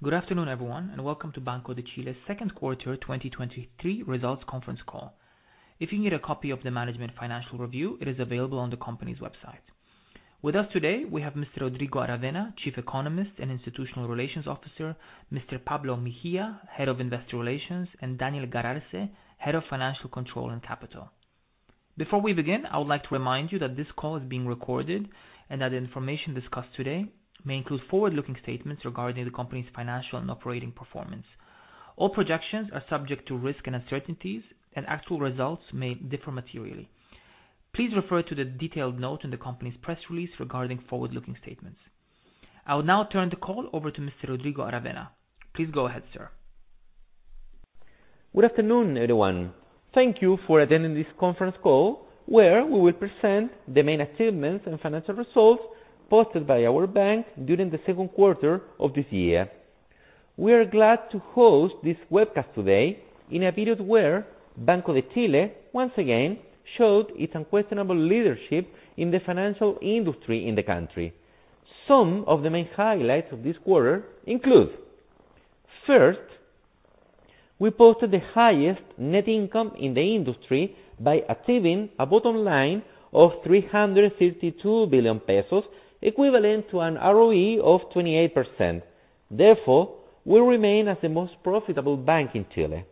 Good afternoon, everyone, and welcome to Banco de Chile's second quarter 2023 results conference call. If you need a copy of the management financial review, it is available on the company's website. With us today, we have Mr. Rodrigo Aravena, Chief Economist and Institutional Relations Officer, Mr. Pablo Mejia, Head of Investor Relations, and Daniel Galarce, Head of Financial Control and Capital. Before we begin, I would like to remind you that this call is being recorded and that the information discussed today may include forward-looking statements regarding the company's financial and operating performance. All projections are subject to risk and uncertainties, and actual results may differ materially. Please refer to the detailed note in the company's press release regarding forward-looking statements. I will now turn the call over to Mr. Rodrigo Aravena. Please go ahead, sir. Good afternoon, everyone. Thank you for attending this conference call, where we will present the main achievements and financial results posted by our bank during the second quarter of this year. We are glad to host this webcast today in a period where Banco de Chile, once again, showed its unquestionable leadership in the financial industry in the country. Some of the main highlights of this quarter include: first, we posted the highest net income in the industry by achieving a bottom line of 352 billion pesos, equivalent to an ROE of 28%. Therefore, we remain as the most profitable bank in Chile.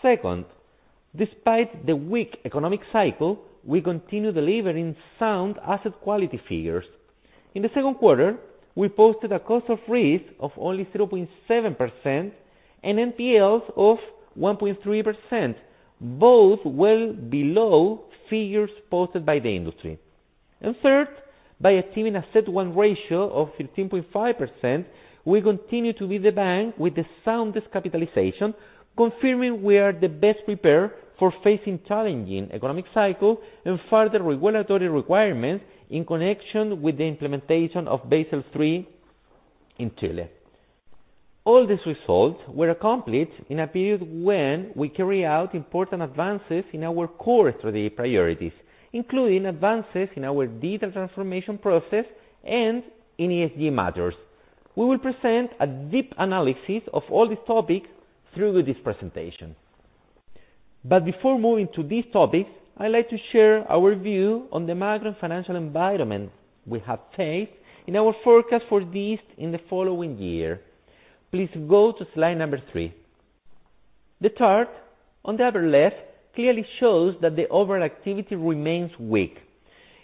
Second, despite the weak economic cycle, we continue delivering sound asset quality figures. In the second quarter, we posted a cost of risk of only 0.7% and NPLs of 1.3%, both well below figures posted by the industry. Third, by achieving a CET1 ratio of 13.5%, we continue to be the bank with the soundest capitalization, confirming we are the best prepared for facing challenging economic cycle and further regulatory requirements in connection with the implementation of Basel III in Chile. All these results were accomplished in a period when we carry out important advances in our core strategy priorities, including advances in our digital transformation process and in ESG matters. We will present a deep analysis of all these topics through this presentation. Before moving to these topics, I'd like to share our view on the macro financial environment we have faced and our forecast for this in the following year. Please go to slide Number 3. The chart on the upper left clearly shows that the overall activity remains weak.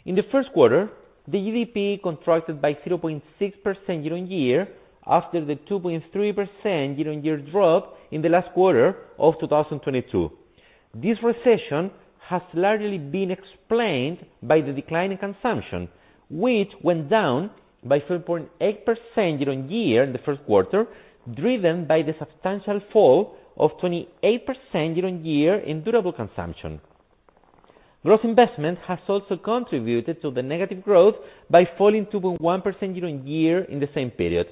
In the first quarter, the GDP contracted by 0.6% year-on-year after the 2.3% year-on-year drop in the last quarter of 2022. This recession has largely been explained by the decline in consumption, which went down by 3.8% year-on-year in the first quarter, driven by the substantial fall of 28% year-on-year in durable consumption. Gross investment has also contributed to the negative growth by falling 2.1% year-on-year in the same period.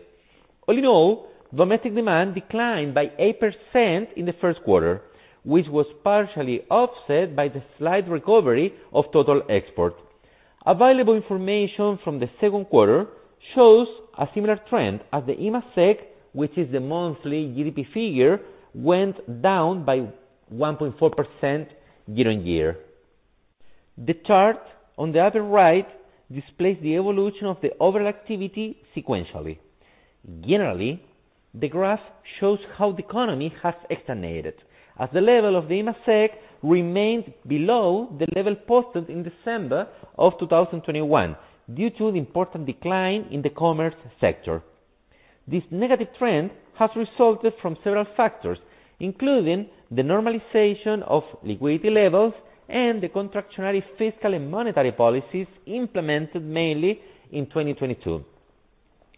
All in all, domestic demand declined by 8% in the first quarter, which was partially offset by the slight recovery of total export. Available information from the second quarter shows a similar trend as the IMACEC, which is the monthly GDP figure, went down by 1.4% year-on-year. The chart on the upper right displays the evolution of the overall activity sequentially. Generally, the graph shows how the economy has stagnated, as the level of the IMACEC remained below the level posted in December of 2021 due to the important decline in the commerce sector. This negative trend has resulted from several factors, including the normalization of liquidity levels and the contractionary fiscal and monetary policies implemented mainly in 2022.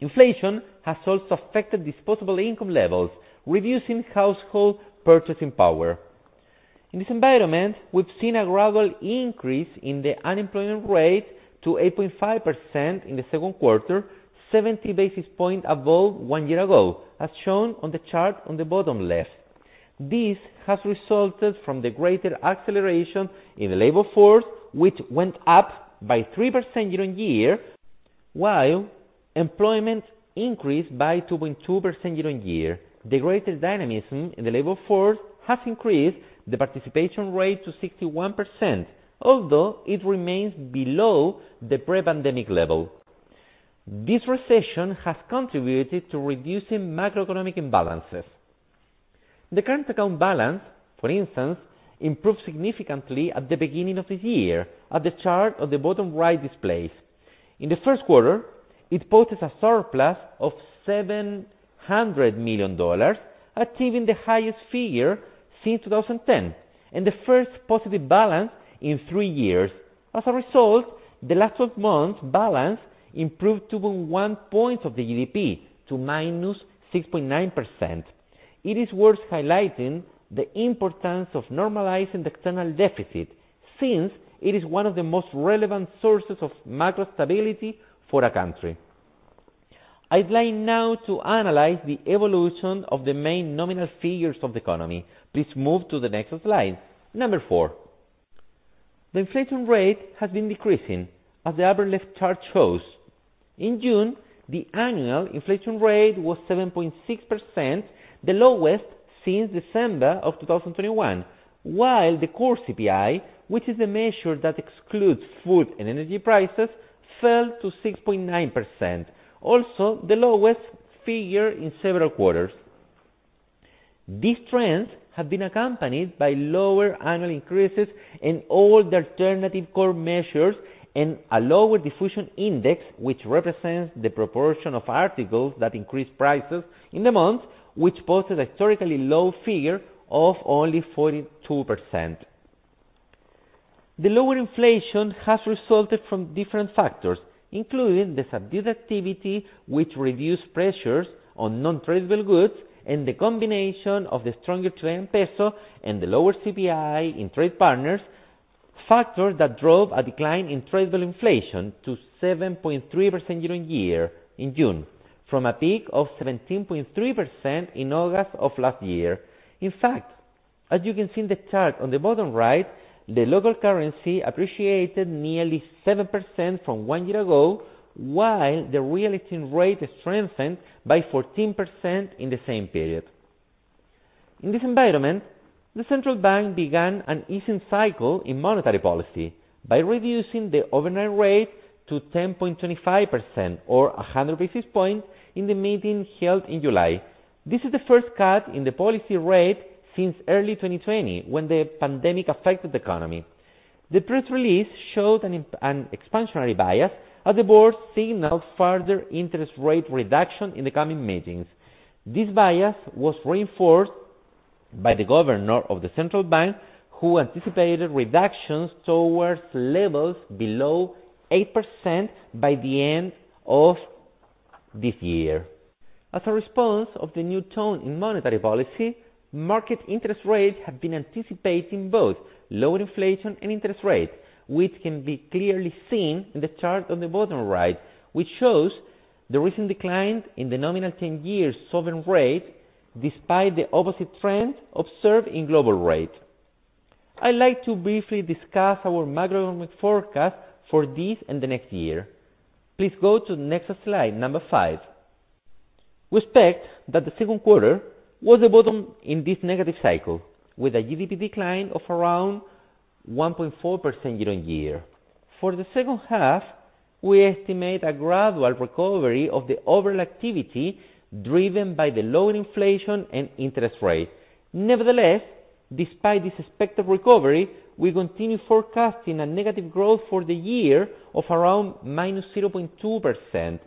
Inflation has also affected disposable income levels, reducing household purchasing power. In this environment, we've seen a gradual increase in the unemployment rate to 8.5% in the second quarter, 70 basis point above one year ago, as shown on the chart on the bottom left. This has resulted from the greater acceleration in the labor force, which went up by 3% year-on-year, while employment increased by 2.2% year-on-year. The greater dynamism in the labor force has increased the participation rate to 61%, although it remains below the pre-pandemic level. This recession has contributed to reducing macroeconomic imbalances. The current account balance, for instance, improved significantly at the beginning of this year, as the chart on the bottom right displays. In the first quarter, it posted a surplus of $700 million, achieving the highest figure since 2010 and the first positive balance in three years. As a result, the last 12 months balance improved to 0.1% of the GDP to -6.9%. It is worth highlighting the importance of normalizing the external deficit since it is one of the most relevant sources of macro stability for a country. I'd like now to analyze the evolution of the main nominal figures of the economy. Please move to the next slide, Number 4. The inflation rate has been decreasing, as the upper left chart shows. In June, the annual inflation rate was 7.6%, the lowest since December 2021, while the core CPI, which is the measure that excludes food and energy prices, fell to 6.9%, also the lowest figure in several quarters. These trends have been accompanied by lower annual increases in all the alternative core measures and a lower diffusion index, which represents the proportion of articles that increased prices in the month, which posted a historically low figure of only 42%. The lower inflation has resulted from different factors, including the subdued activity, which reduced pressures on non-tradable goods, and the combination of the stronger Chilean peso and the lower CPI in trade partners, factors that drove a decline in tradable inflation to 7.3% year-on-year in June, from a peak of 17.3% in August of last year. In fact, as you can see in the chart on the bottom right, the local currency appreciated nearly 7% from one year ago, while the real exchange rate strengthened by 14% in the same period. In this environment, the central bank began an easing cycle in monetary policy by reducing the overnight rate to 10.25%, or 100 basis points, in the meeting held in July. This is the first cut in the policy rate since early 2020, when the pandemic affected the economy. The press release showed an expansionary bias, as the board signaled further interest rate reduction in the coming meetings. This bias was reinforced by the governor of the Central Bank, who anticipated reductions towards levels below 8% by the end of this year. As a response of the new tone in monetary policy, market interest rates have been anticipating both lower inflation and interest rates, which can be clearly seen in the chart on the bottom right, which shows the recent decline in the nominal 10-year sovereign rate despite the opposite trend observed in global rate. I'd like to briefly discuss our macroeconomic forecast for this and the next year. Please go to the next slide, Number 5. We expect that the second quarter was the bottom in this negative cycle, with a GDP decline of around 1.4% year-on-year. For the second half, we estimate a gradual recovery of the overall activity, driven by the lower inflation and interest rate. Nevertheless, despite this expected recovery, we continue forecasting a negative growth for the year of around -0.2%.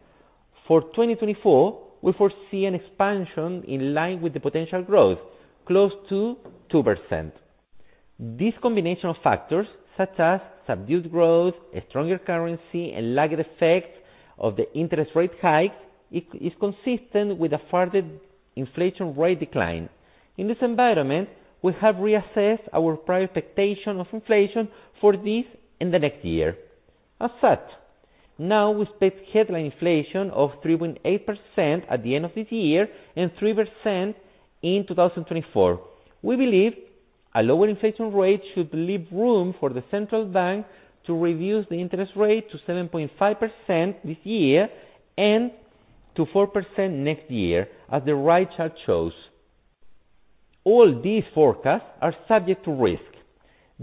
For 2024, we foresee an expansion in line with the potential growth, close to 2%. This combination of factors, such as subdued growth, a stronger currency, and lagged effects of the interest rate hike, is consistent with a further inflation rate decline. In this environment, we have reassessed our prior expectation of inflation for this and the next year. As such, now we expect headline inflation of 3.8% at the end of this year and 3% in 2024. We believe a lower inflation rate should leave room for the central bank to reduce the interest rate to 7.5% this year and to 4% next year, as the right chart shows. All these forecasts are subject to risk.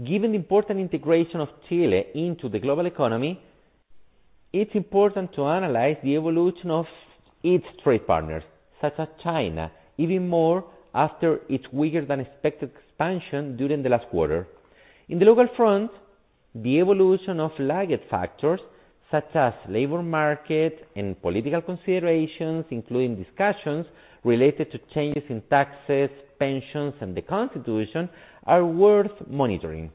Given the important integration of Chile into the global economy, it's important to analyze the evolution of its trade partners, such as China, even more after its weaker-than-expected expansion during the last quarter. In the local front, the evolution of lagged factors, such as labor market and political considerations, including discussions related to changes in taxes, pensions, and the constitution, are worth monitoring.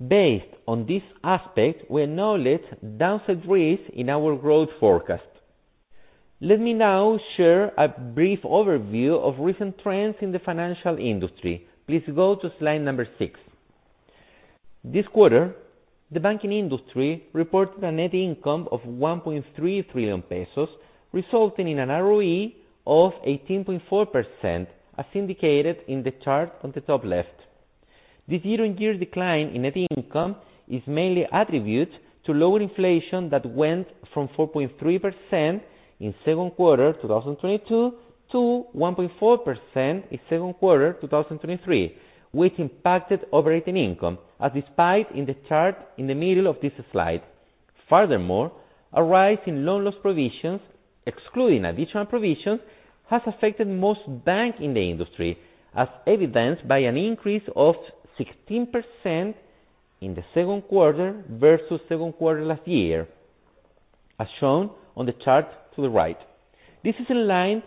Based on this aspect, we acknowledge downside risk in our growth forecast. Let me now share a brief overview of recent trends in the financial industry. Please go to slide Number 6. This quarter, the banking industry reported a net income of 1.3 trillion pesos, resulting in an ROE of 18.4%, as indicated in the chart on the top left. The year-on-year decline in net income is mainly attributed to lower inflation that went from 4.3% in 2Q 2022 to 1.4% in 2Q 2023, which impacted operating income, as depicted in the chart in the middle of this slide. Furthermore, a rise in loan loss provisions, excluding additional provisions, has affected most banks in the industry, as evidenced by an increase of 16% in the 2Q versus 2Q last year, as shown on the chart to the right. This is in line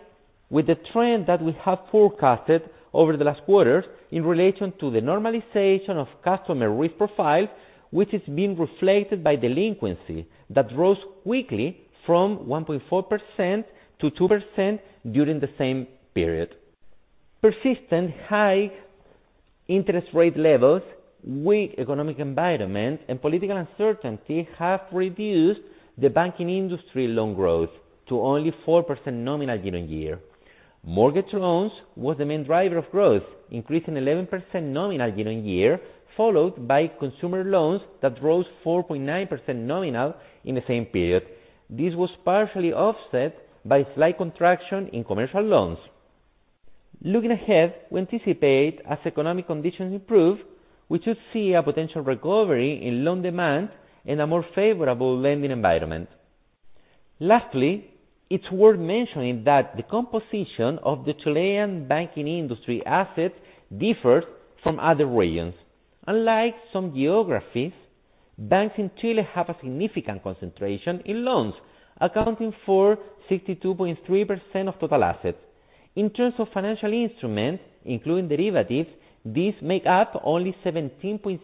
with the trend that we have forecasted over the last quarters in relation to the normalization of customer risk profile, which is being reflected by delinquency that rose quickly from 1.4%-2% during the same period. Persistent high interest rate levels, weak economic environment, and political uncertainty have reduced the banking industry loan growth to only 4% nominal year on year, mortgage loans was the main driver of growth, increasing 11% nominal year-on-year, followed by consumer loans that rose 4.9% nominal in the same period. This was partially offset by slight contraction in commercial loans. Looking ahead, we anticipate as economic conditions improve, we should see a potential recovery in loan demand and a more favorable lending environment. Lastly, it's worth mentioning that the composition of the Chilean banking industry assets differs from other regions. Unlike some geographies, banks in Chile have a significant concentration in loans, accounting for 62.3% of total assets. In terms of financial instruments, including derivatives, these make up only 17.6%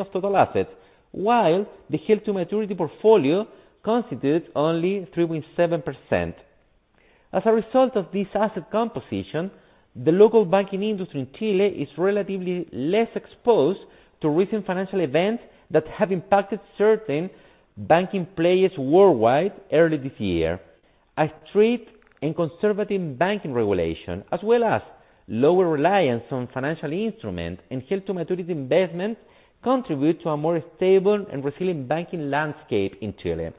of total assets, while the held-to-maturity portfolio constitutes only 3.7%. As a result of this asset composition, the local banking industry in Chile is relatively less exposed to recent financial events that have impacted certain banking players worldwide early this year. A strict and conservative banking regulation, as well as lower reliance on financial instruments and held-to-maturity investments, contribute to a more stable and resilient banking landscape in Chile.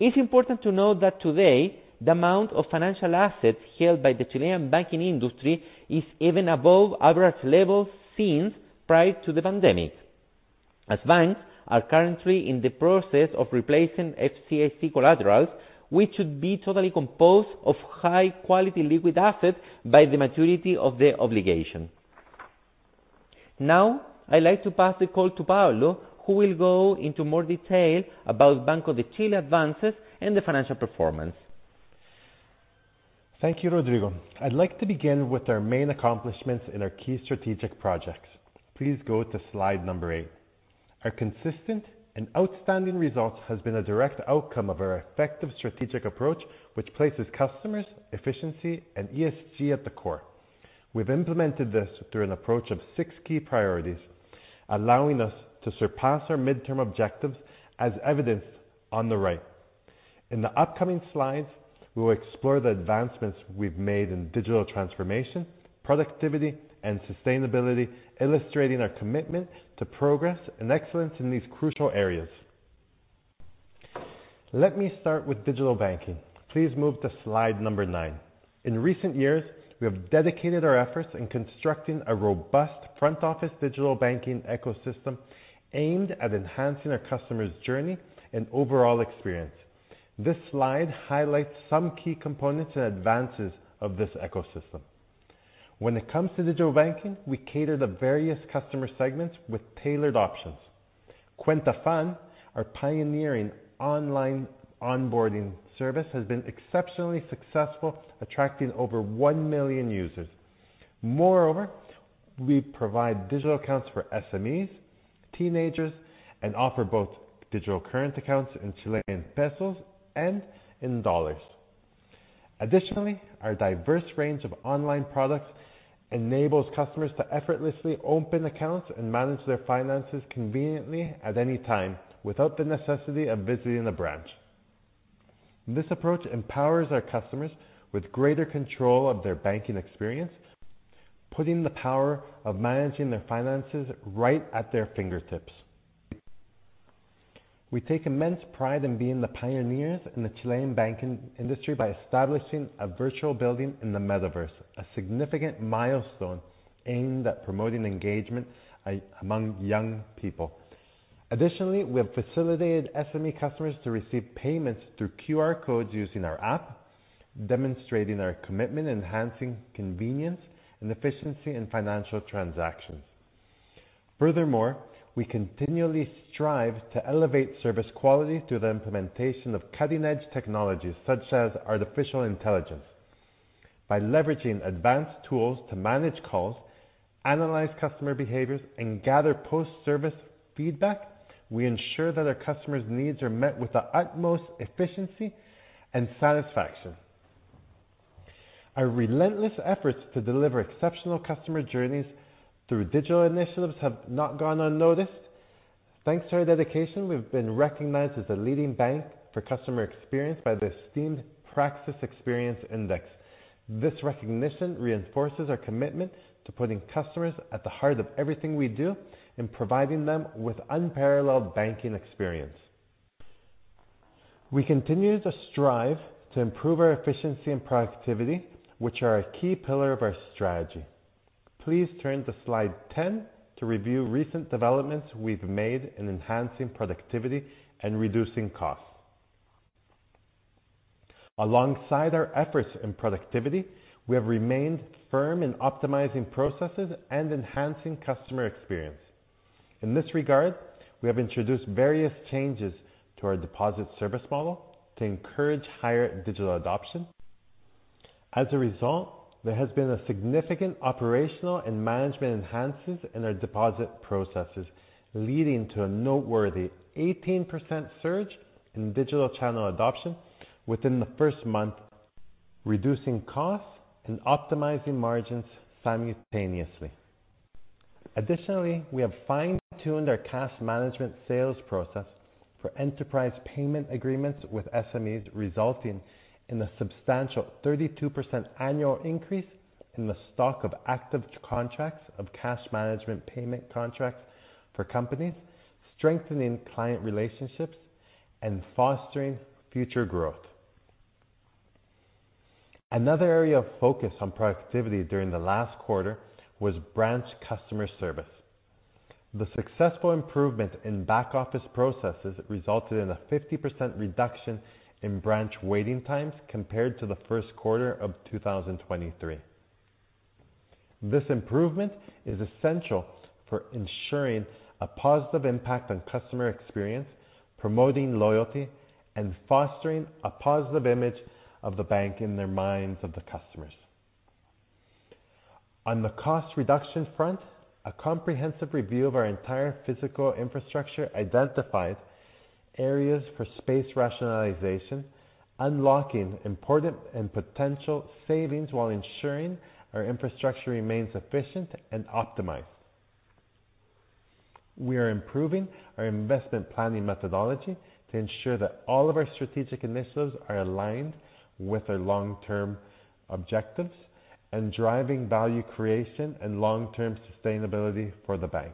It's important to note that today, the amount of financial assets held by the Chilean banking industry is even above average levels since prior to the pandemic. As banks are currently in the process of replacing FCIC collaterals, which should be totally composed of high-quality liquid assets by the maturity of the obligation. Now, I'd like to pass the call to Paulo, who will go into more detail about Banco de Chile advances and the financial performance. Thank you, Rodrigo. I'd like to begin with our main accomplishments in our key strategic projects. Please go to slide Number 8. Our consistent and outstanding results has been a direct outcome of our effective strategic approach, which places customers, efficiency, and ESG at the core. We've implemented this through an approach of six key priorities, allowing us to surpass our midterm objectives, as evidenced on the right. In the upcoming slides, we will explore the advancements we've made in digital transformation, productivity, and sustainability, illustrating our commitment to progress and excellence in these crucial areas. Let me start with digital banking. Please move to slide Number 9. In recent years, we have dedicated our efforts in constructing a robust front office digital banking ecosystem aimed at enhancing our customers' journey and overall experience. This slide highlights some key components and advances of this ecosystem. When it comes to digital banking, we cater to various customer segments with tailored options. Cuenta FAN, our pioneering online onboarding service, has been exceptionally successful, attracting over one million users. Moreover, we provide digital accounts for SMEs, teenagers, and offer both digital current accounts in Chilean pesos and in dollars. Additionally, our diverse range of online products enables customers to effortlessly open accounts and manage their finances conveniently at any time without the necessity of visiting a branch. This approach empowers our customers with greater control of their banking experience, putting the power of managing their finances right at their fingertips. We take immense pride in being the pioneers in the Chilean banking industry by establishing a virtual building in the Metaverse, a significant milestone aimed at promoting engagement among young people. Additionally, we have facilitated SME customers to receive payments through QR codes using our app, demonstrating our commitment to enhancing convenience and efficiency in financial transactions. Furthermore, we continually strive to elevate service quality through the implementation of cutting-edge technologies such as artificial intelligence. By leveraging advanced tools to manage calls, analyze customer behaviors, and gather post-service feedback, we ensure that our customers' needs are met with the utmost efficiency and satisfaction. Our relentless efforts to deliver exceptional customer journeys through digital initiatives have not gone unnoticed. Thanks to our dedication, we've been recognized as a leading bank for customer experience by the esteemed Praxis Xperience Index. This recognition reinforces our commitment to putting customers at the heart of everything we do and providing them with unparalleled banking experience. We continue to strive to improve our efficiency and productivity, which are a key pillar of our strategy. Please turn to Slide 10 to review recent developments we've made in enhancing productivity and reducing costs. Alongside our efforts in productivity, we have remained firm in optimizing processes and enhancing customer experience. In this regard, we have introduced various changes to our deposit service model to encourage higher digital adoption. As a result, there has been a significant operational and management enhances in our deposit processes, leading to a noteworthy 18% surge in digital channel adoption within the first month, reducing costs and optimizing margins simultaneously. Additionally, we have fine-tuned our cash management sales process for enterprise payment agreements with SMEs, resulting in a substantial 32% annual increase in the stock of active contracts of cash management payment contracts for companies, strengthening client relationships and fostering future growth. Another area of focus on productivity during the last quarter was branch customer service. The successful improvement in back-office processes resulted in a 50% reduction in branch waiting times compared to the first quarter of 2023. This improvement is essential for ensuring a positive impact on customer experience, promoting loyalty, and fostering a positive image of the bank in their minds of the customers. On the cost reduction front, a comprehensive review of our entire physical infrastructure identified areas for space rationalization, unlocking important and potential savings while ensuring our infrastructure remains efficient and optimized. We are improving our investment planning methodology to ensure that all of our strategic initiatives are aligned with our long-term objectives and driving value creation and long-term sustainability for the bank.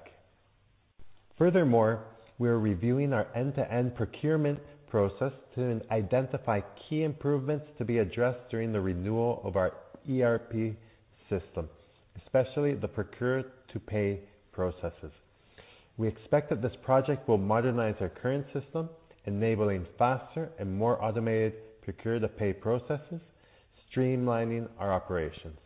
Furthermore, we are reviewing our end-to-end procurement process to identify key improvements to be addressed during the renewal of our ERP system, especially the procure-to-pay processes. We expect that this project will modernize our current system, enabling faster and more automated procure-to-pay processes, streamlining our operations.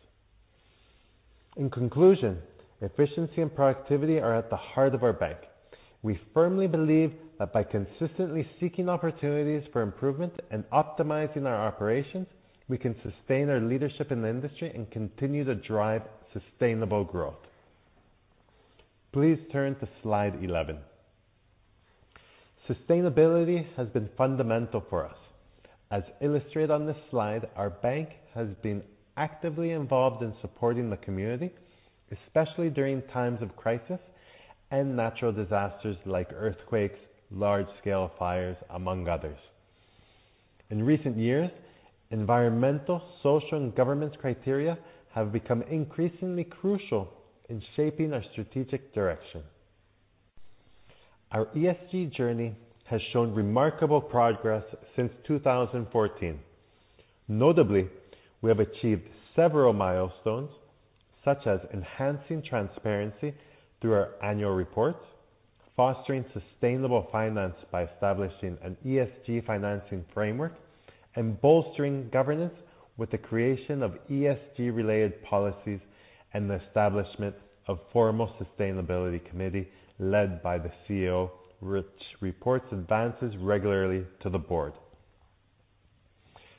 In conclusion, efficiency and productivity are at the heart of our bank. We firmly believe that by consistently seeking opportunities for improvement and optimizing our operations, we can sustain our leadership in the industry and continue to drive sustainable growth. Please turn to Slide 11. Sustainability has been fundamental for us. As illustrated on this slide, our bank has been actively involved in supporting the community, especially during times of crisis and natural disasters like earthquakes, large-scale fires, among others. In recent years, environmental, social, and governance criteria have become increasingly crucial in shaping our strategic direction. Our ESG journey has shown remarkable progress since 2014. Notably, we have achieved several milestones, such as enhancing transparency through our annual reports, fostering sustainable finance by establishing an ESG financing framework, and bolstering governance with the creation of ESG-related policies and the establishment of formal sustainability committee led by the CEO, which reports advances regularly to the board.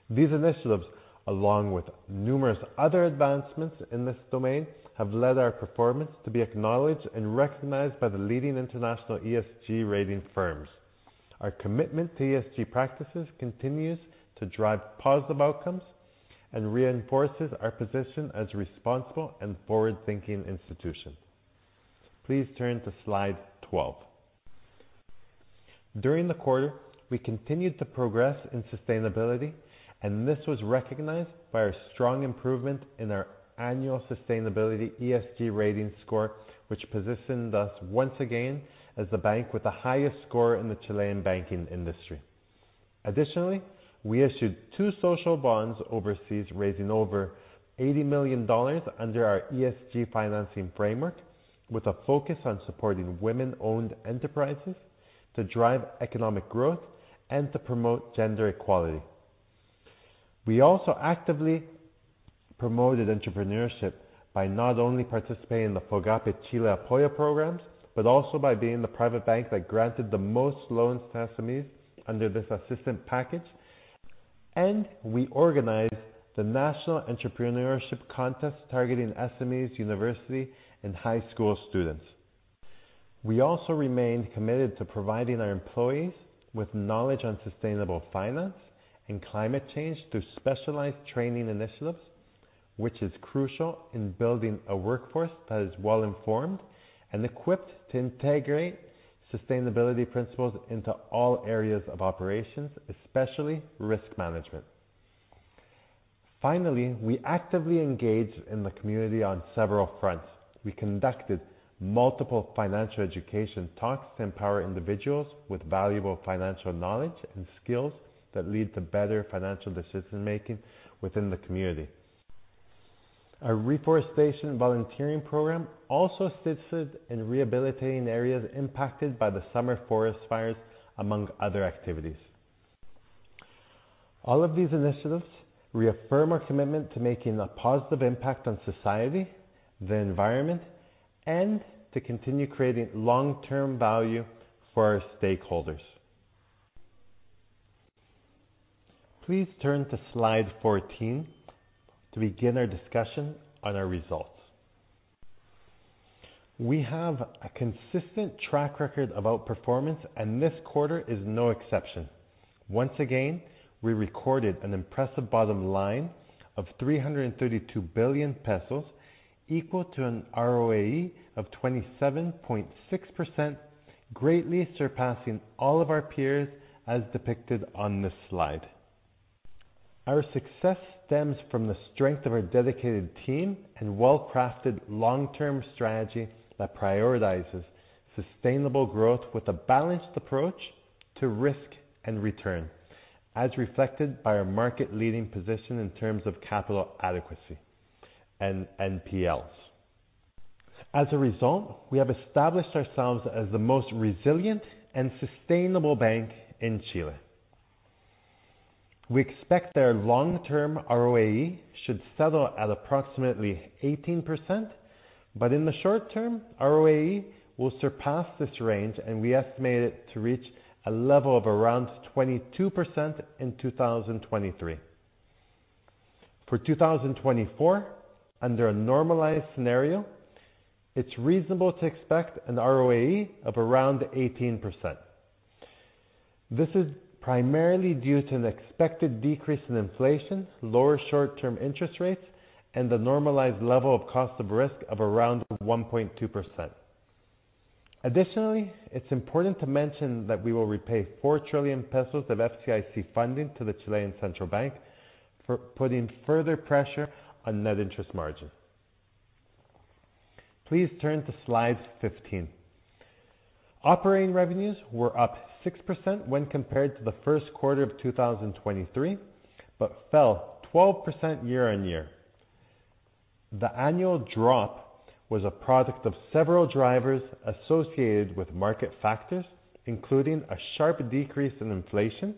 These initiatives, along with numerous other advancements in this domain, have led our performance to be acknowledged and recognized by the leading international ESG rating firms. Our commitment to ESG practices continues to drive positive outcomes and reinforces our position as a responsible and forward-thinking institution. Please turn to Slide 12. During the quarter, we continued to progress in sustainability, and this was recognized by our strong improvement in our annual sustainability ESG rating score, which positioned us once again as the bank with the highest score in the Chilean banking industry. Additionally, we issued two social bonds overseas, raising over $80 million under our ESG financing framework, with a focus on supporting women-owned enterprises to drive economic growth and to promote gender equality. We also actively promoted entrepreneurship by not only participating in the FOGAPE Chile Apoya programs, but also by being the private bank that granted the most loans to SMEs under this assistant package, and we organized the National Entrepreneurship Contest targeting SMEs, university, and high school students. We also remained committed to providing our employees with knowledge on sustainable finance and climate change through specialized training initiatives, which is crucial in building a workforce that is well-informed and equipped to integrate sustainability principles into all areas of operations, especially risk management. Finally, we actively engaged in the community on several fronts. We conducted multiple financial education talks to empower individuals with valuable financial knowledge and skills that lead to better financial decision-making within the community. Our reforestation volunteering program also assisted in rehabilitating areas impacted by the summer forest fires, among other activities. All of these initiatives reaffirm our commitment to making a positive impact on society, the environment, and to continue creating long-term value for our stakeholders. Please turn to Slide 14 to begin our discussion on our results. We have a consistent track record of outperformance, and this quarter is no exception. Once again, we recorded an impressive bottom line of 332 billion pesos, equal to an ROAE of 27.6%, greatly surpassing all of our peers, as depicted on this slide. Our success stems from the strength of our dedicated team and well-crafted long-term strategy that prioritizes sustainable growth with a balanced approach to risk and return, as reflected by our market leading position in terms of capital adequacy and NPLs. As a result, we have established ourselves as the most resilient and sustainable bank in Chile. We expect their long-term ROAE should settle at approximately 18%, but in the short term, ROAE will surpass this range, and we estimate it to reach a level of around 22% in 2023. For 2024, under a normalized scenario, it's reasonable to expect an ROAE of around 18%. This is primarily due to an expected decrease in inflation, lower short-term interest rates, and the normalized level of cost of risk of around 1.2%. Additionally, it's important to mention that we will repay four trillion pesos of FCIC funding to the Central Bank of Chile for putting further pressure on NIM. Please turn to slides 15. Operating revenues were up 6% when compared to the first quarter of 2023, but fell 12% year-on-year. The annual drop was a product of several drivers associated with market factors, including a sharp decrease in inflation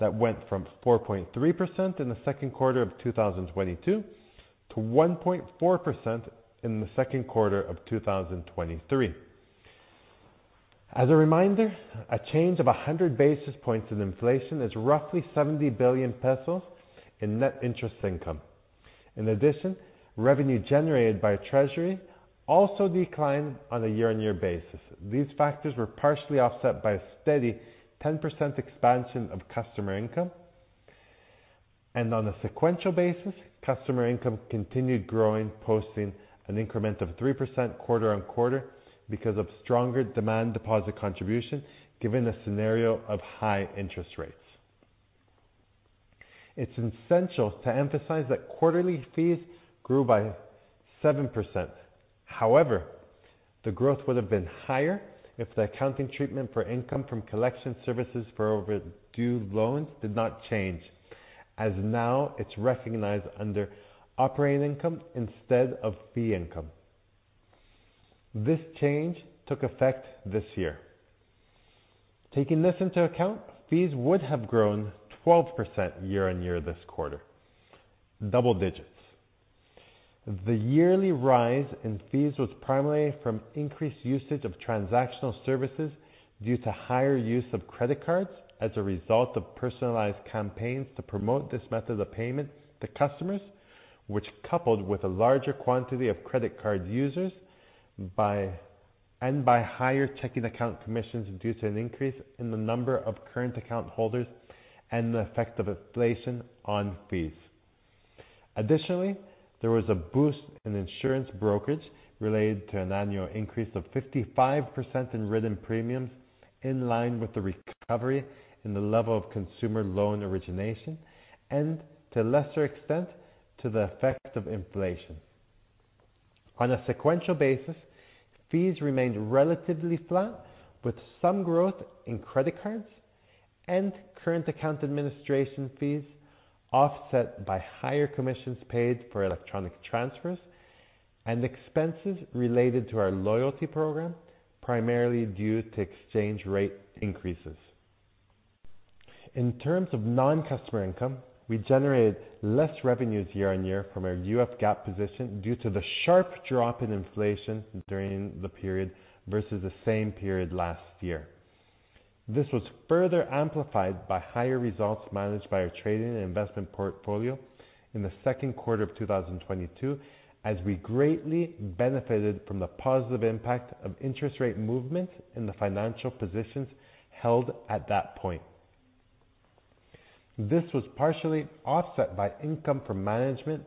that went from 4.3% in the second quarter of 2022 to 1.4% in the second quarter of 2023. As a reminder, a change of 100 basis points in inflation is roughly 70 billion pesos in net interest income. In addition, revenue generated by Treasury also declined on a year-on-year basis. These factors were partially offset by a steady 10% expansion of customer income. On a sequential basis, customer income continued growing, posting an increment of 3% quarter-over-quarter because of stronger demand deposit contribution, given the scenario of high interest rates. It's essential to emphasize that quarterly fees grew by 7%. The growth would have been higher if the accounting treatment for income from collection services for overdue loans did not change, as now it's recognized under operating income instead of fee income. This change took effect this year. Taking this into account, fees would have grown 12% year-over-year this quarter, double digits. The yearly rise in fees was primarily from increased usage of transactional services due to higher use of credit cards as a result of personalized campaigns to promote this method of payment to customers, which, coupled with a larger quantity of credit card users, and by higher checking account commissions due to an increase in the number of current account holders and the effect of inflation on fees. Additionally, there was a boost in insurance brokerage related to an annual increase of 55% in written premiums, in line with the recovery in the level of consumer loan origination and to a lesser extent, to the effect of inflation. On a sequential basis, fees remained relatively flat, with some growth in credit cards and current account administration fees offset by higher commissions paid for electronic transfers and expenses related to our loyalty program, primarily due to exchange rate increases. In terms of non-customer income, we generated less revenues year-on-year from our UF GAP position due to the sharp drop in inflation during the period versus the same period last year. This was further amplified by higher results managed by our trading and investment portfolio in the second quarter of 2022, as we greatly benefited from the positive impact of interest rate movements in the financial positions held at that point. This was partially offset by income from management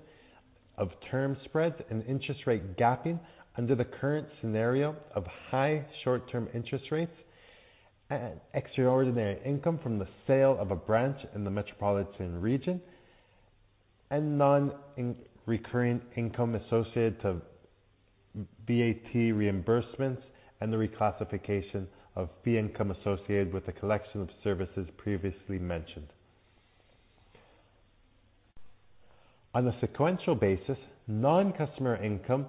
of term spreads and interest rate gapping under the current scenario of high short-term interest rates and extraordinary income from the sale of a branch in the metropolitan region, and non-recurring income associated to VAT reimbursements and the reclassification of fee income associated with the collection of services previously mentioned. On a sequential basis, non-customer income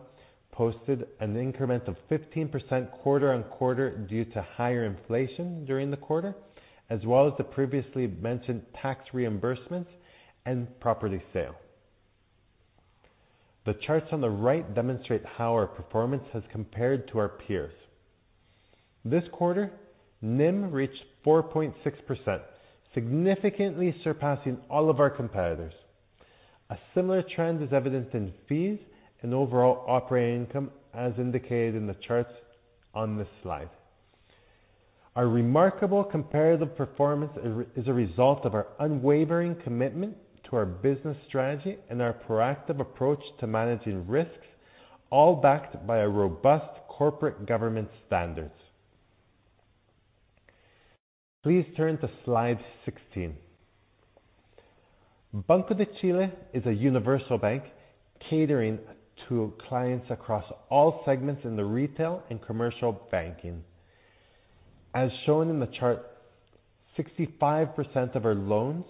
posted an increment of 15% quarter-on-quarter due to higher inflation during the quarter, as well as the previously mentioned tax reimbursements and property sale. The charts on the right demonstrate how our performance has compared to our peers. This quarter, NIM reached 4.6%, significantly surpassing all of our competitors. A similar trend is evident in fees and overall operating income, as indicated in the charts on this slide. Our remarkable comparative performance is a result of our unwavering commitment to our business strategy and our proactive approach to managing risks, all backed by a robust corporate governance standards. Please turn to Slide 16. Banco de Chile is a universal bank catering to clients across all segments in the retail and commercial banking. As shown in the chart, 65% of our loans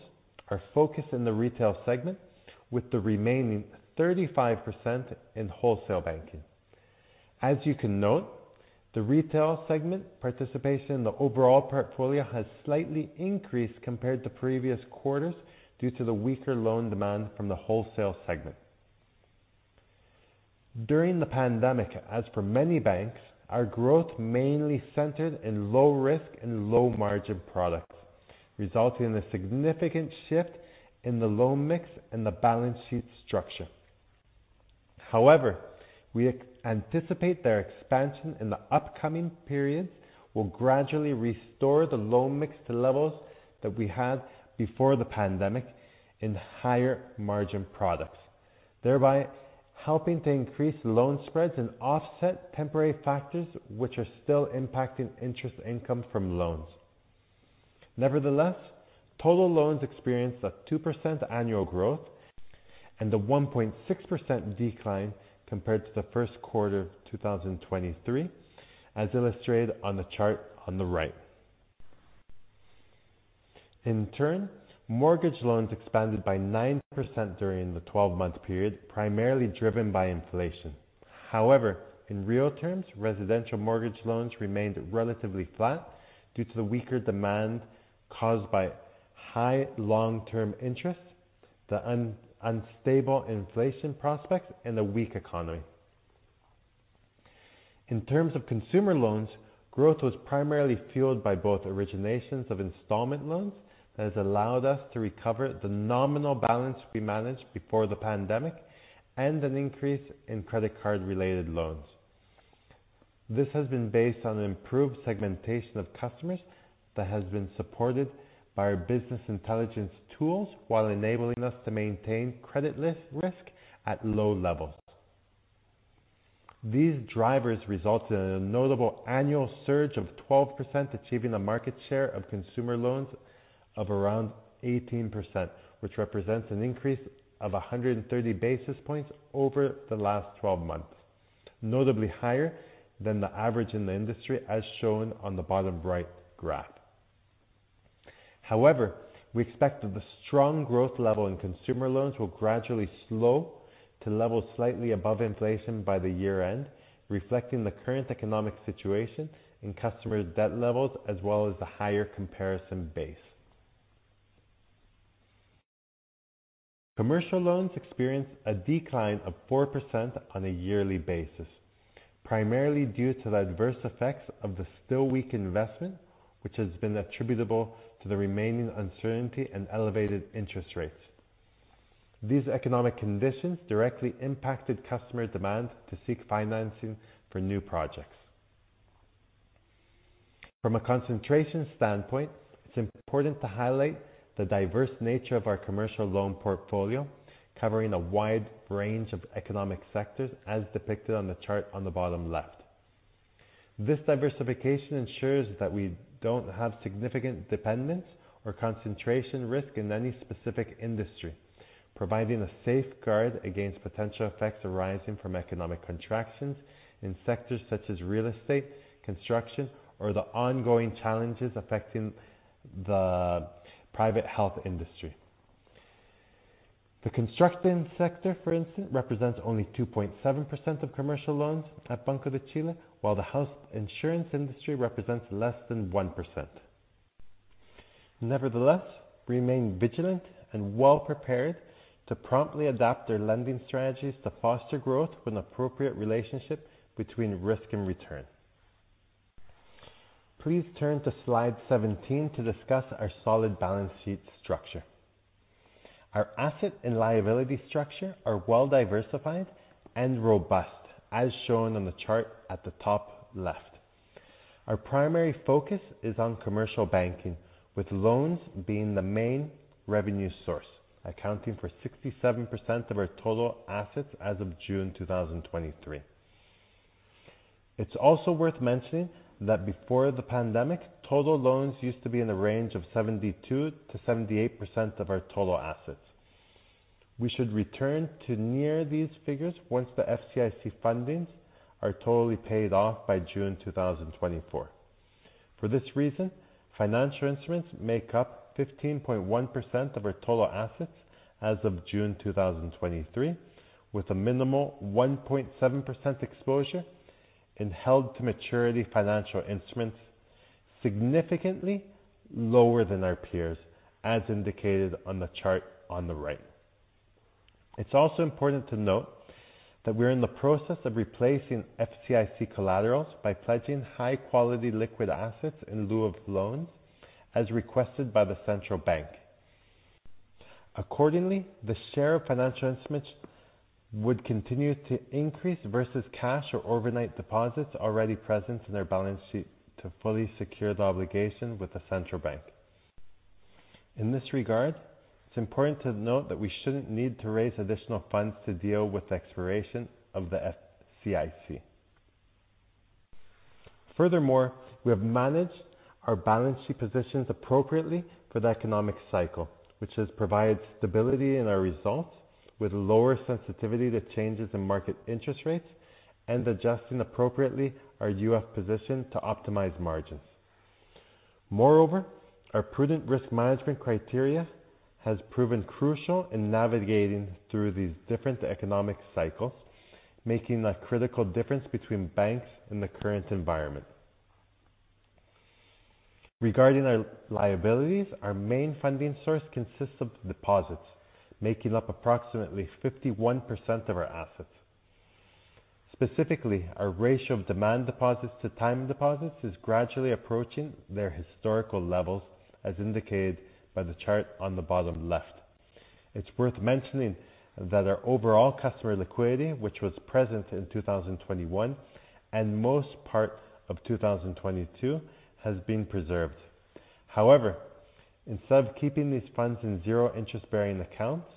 are focused in the retail segment, with the remaining 35% in wholesale banking. As you can note, the retail segment participation in the overall portfolio has slightly increased compared to previous quarters due to the weaker loan demand from the wholesale segment. During the pandemic, as for many banks, our growth mainly centered in low risk and low margin products, resulting in a significant shift in the loan mix and the balance sheet structure. However, we anticipate their expansion in the upcoming periods will gradually restore the loan mix to levels that we had before the pandemic in higher margin products, thereby helping to increase loan spreads and offset temporary factors, which are still impacting interest income from loans. Nevertheless, total loans experienced a 2% annual growth and a 1.6% decline compared to the first quarter of 2023, as illustrated on the chart on the right. In turn, mortgage loans expanded by 9% during the 12-month period, primarily driven by inflation. However, in real terms, residential mortgage loans remained relatively flat due to the weaker demand caused by high long-term interest, the unstable inflation prospects, and a weak economy. In terms of consumer loans, growth was primarily fueled by both originations of installment loans that has allowed us to recover the nominal balance we managed before the pandemic, and an increase in credit card-related loans. This has been based on improved segmentation of customers that has been supported by our business intelligence tools, while enabling us to maintain credit risk at low levels. These drivers resulted in a notable annual surge of 12%, achieving a market share of consumer loans of around 18%, which represents an increase of 130 basis points over the last 12 months, notably higher than the average in the industry, as shown on the bottom right graph. We expect that the strong growth level in consumer loans will gradually slow to levels slightly above inflation by the year-end, reflecting the current economic situation and customer debt levels, as well as the higher comparison base. Commercial loans experienced a decline of 4% on a yearly basis, primarily due to the adverse effects of the still weak investment, which has been attributable to the remaining uncertainty and elevated interest rates. These economic conditions directly impacted customer demand to seek financing for new projects. From a concentration standpoint, it's important to highlight the diverse nature of our commercial loan portfolio, covering a wide range of economic sectors, as depicted on the chart on the bottom left. This diversification ensures that we don't have significant dependence or concentration risk in any specific industry, providing a safeguard against potential effects arising from economic contractions in sectors such as real estate, construction, or the ongoing challenges affecting the private health industry. The construction sector, for instance, represents only 2.7% of commercial loans at Banco de Chile, while the house insurance industry represents less than 1%. Nevertheless, we remain vigilant and well prepared to promptly adapt their lending strategies to foster growth with an appropriate relationship between risk and return. Please turn to Slide 17 to discuss our solid balance sheet structure. Our asset and liability structure are well-diversified and robust, as shown on the chart at the top left. Our primary focus is on commercial banking, with loans being the main revenue source, accounting for 67% of our total assets as of June 2023. It's also worth mentioning that before the pandemic, total loans used to be in the range of 72%-78% of our total assets. We should return to near these figures once the FCIC fundings are totally paid off by June 2024. For this reason, financial instruments make up 15.1% of our total assets as of June 2023, with a minimal 1.7% exposure in held-to-maturity financial instruments, significantly lower than our peers, as indicated on the chart on the right. It's also important to note. that we're in the process of replacing FCIC collaterals by pledging high-quality liquid assets in lieu of loans, as requested by the Central Bank. Accordingly, the share of financial instruments would continue to increase versus cash or overnight deposits already present in their balance sheet to fully secure the obligation with the Central Bank. In this regard, it's important to note that we shouldn't need to raise additional funds to deal with the expiration of the FCIC. Furthermore, we have managed our balance sheet positions appropriately for the economic cycle, which has provided stability in our results with lower sensitivity to changes in market interest rates and adjusting appropriately our UF position to optimize margins. Moreover, our prudent risk management criteria has proven crucial in navigating through these different economic cycles, making a critical difference between banks and the current environment. Regarding our liabilities, our main funding source consists of deposits, making up approximately 51% of our assets. Specifically, our ratio of demand deposits to time deposits is gradually approaching their historical levels, as indicated by the chart on the bottom left. It's worth mentioning that our overall customer liquidity, which was present in 2021 and most part of 2022, has been preserved. Instead of keeping these funds in zero interest-bearing accounts,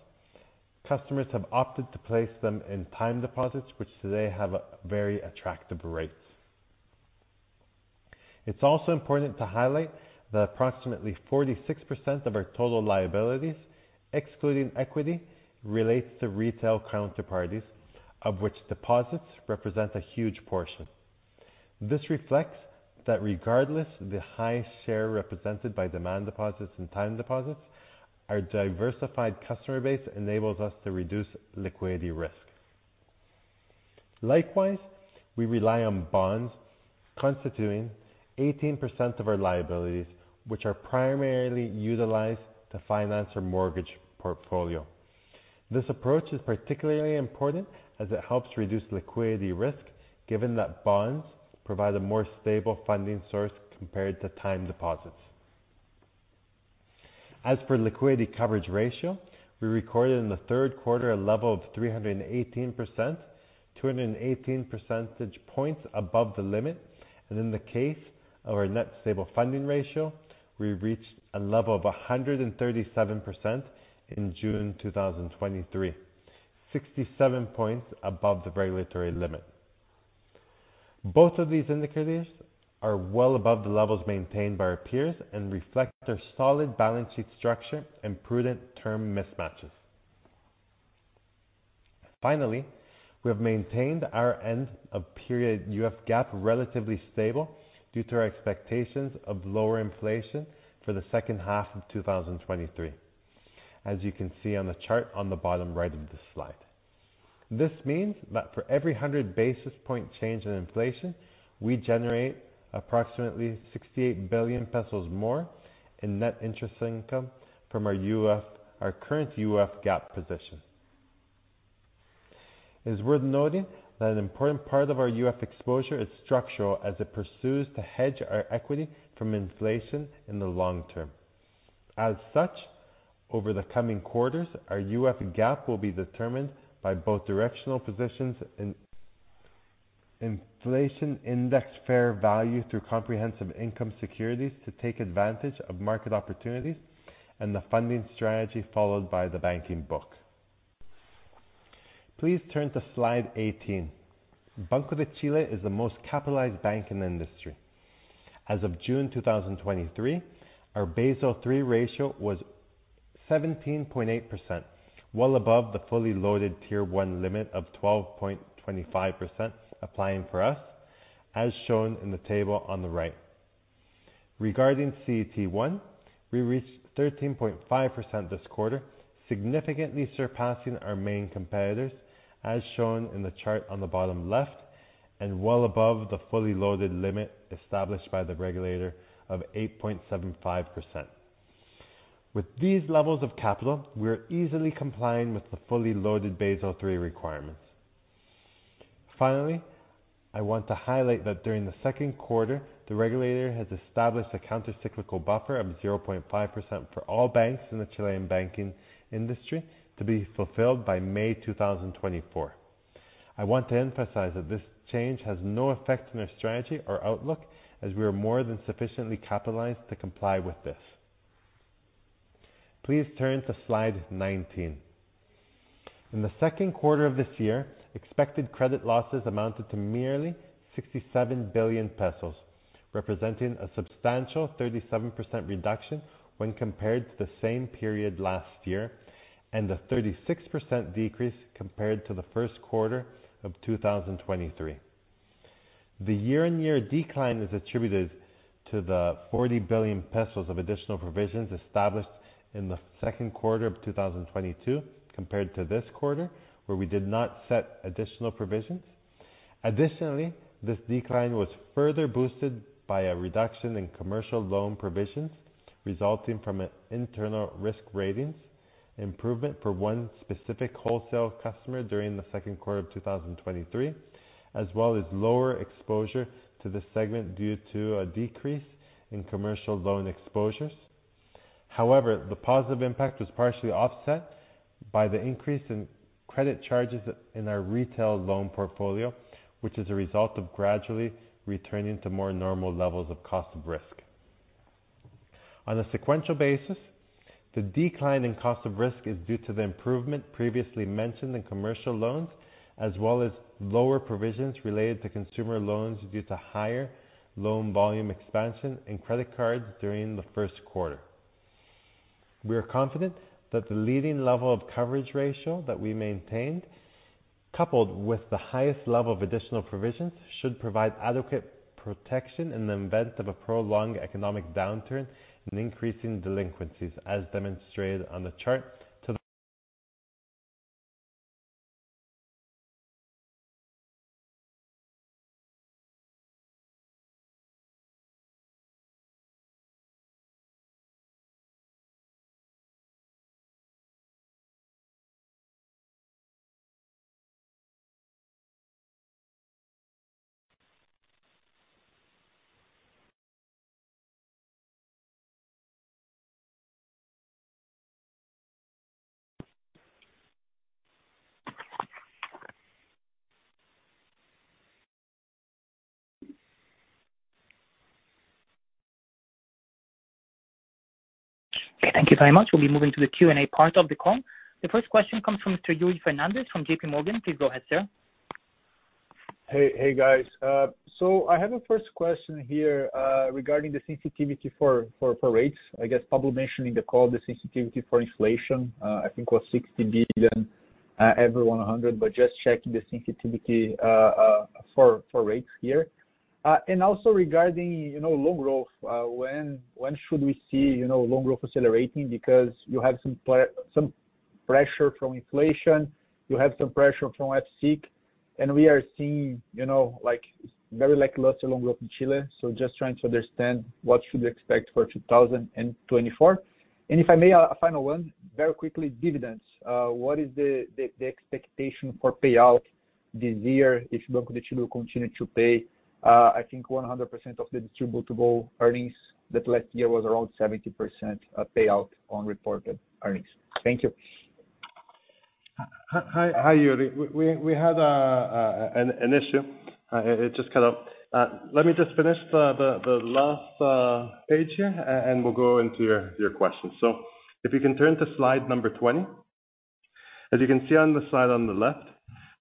customers have opted to place them in time deposits, which today have very attractive rates. It's also important to highlight that approximately 46% of our total liabilities, excluding equity, relates to retail counterparties, of which deposits represent a huge portion. This reflects that regardless of the high share represented by demand deposits and time deposits, our diversified customer base enables us to reduce liquidity risk. Likewise, we rely on bonds constituting 18% of our liabilities, which are primarily utilized to finance our mortgage portfolio. This approach is particularly important as it helps reduce liquidity risk, given that bonds provide a more stable funding source compared to time deposits. As for Liquidity Coverage Ratio, we recorded in the third quarter a level of 318%, 218 percentage points above the limit, and in the case of our Net Stable Funding Ratio, we reached a level of 137% in June 2023, 67 points above the regulatory limit. Both of these indicators are well above the levels maintained by our peers and reflect their solid balance sheet structure and prudent term mismatches. Finally, we have maintained our end of period UF GAP relatively stable due to our expectations of lower inflation for the second half of 2023, as you can see on the chart on the bottom right of this slide. This means that for every 100 basis point change in inflation, we generate approximately 68 billion pesos more in net interest income from our current UF GAP position. It is worth noting that an important part of our UF exposure is structural as it pursues to hedge our equity from inflation in the long term. As such, over the coming quarters, our UF GAP will be determined by both directional positions and inflation index fair value through comprehensive income securities to take advantage of market opportunities and the funding strategy followed by the banking book. Please turn to Slide 18. Banco de Chile is the most capitalized bank in the industry. As of June 2023, our Basel III ratio was 17.8%, well above the fully loaded Tier 1 limit of 12.25% applying for us, as shown in the table on the right. Regarding CET1, we reached 13.5% this quarter, significantly surpassing our main competitors, as shown in the chart on the bottom left, and well above the fully loaded limit established by the regulator of 8.75%. With these levels of capital, we are easily complying with the fully loaded Basel III requirements. Finally, I want to highlight that during the second quarter, the regulator has established a countercyclical buffer of 0.5% for all banks in the Chilean banking industry to be fulfilled by May 2024. I want to emphasize that this change has no effect on our strategy or outlook, as we are more than sufficiently capitalized to comply with this. Please turn to Slide 19. In the second quarter of this year, expected credit losses amounted to merely 67 billion pesos, representing a substantial 37% reduction when compared to the same period last year, and a 36% decrease compared to the first quarter of 2023. The year-on-year decline is attributed to the 40 billion pesos of additional provisions established in the second quarter of 2022 compared to this quarter, where we did not set additional provisions. Additionally, this decline was further boosted by a reduction in commercial loan provisions, resulting from an internal risk ratings improvement for one specific wholesale customer during the second quarter of 2023, as well as lower exposure to the segment due to a decrease in commercial loan exposures. However, the positive impact was partially offset by the increase in credit charges in our retail loan portfolio, which is a result of gradually returning to more normal levels of cost of risk. On a sequential basis, the decline in cost of risk is due to the improvement previously mentioned in commercial loans, as well as lower provisions related to consumer loans, due to higher loan volume expansion and credit cards during the first quarter. We are confident that the leading level of coverage ratio that we maintained, coupled with the highest level of additional provisions, should provide adequate protection in the event of a prolonged economic downturn and increasing delinquencies, as demonstrated on the chart to the. Thank you very much. We'll be moving to the Q&A part of the call. The first question comes from Mr. Yuri Fernandes from JPMorgan. Please go ahead, sir. Hey, hey, guys. I have a first question here regarding the sensitivity for, for, for rates. I guess Pablo mentioned in the call, the sensitivity for inflation, I think was $60 billion every 100, but just checking the sensitivity for, for rates here. Also regarding, you know, loan growth, when, when should we see, you know, loan growth accelerating? Because you have some pressure from inflation, you have some pressure from FCIC, and we are seeing, you know, like, very lackluster loan growth in Chile. Just trying to understand what should we expect for 2024. If I may, a final one, very quickly, dividends. What is the, the, the expectation for payout this year if Banco de Chile continue to pay? I think 100% of the distributable earnings, that last year was around 70% payout on reported earnings. Thank you. Hi, hi, hi, Yuri. We, we had an issue. It just cut off. Let me just finish the last page here, and we'll go into your questions. So if you can turn to slide Number 20. As you can see on the slide on the left,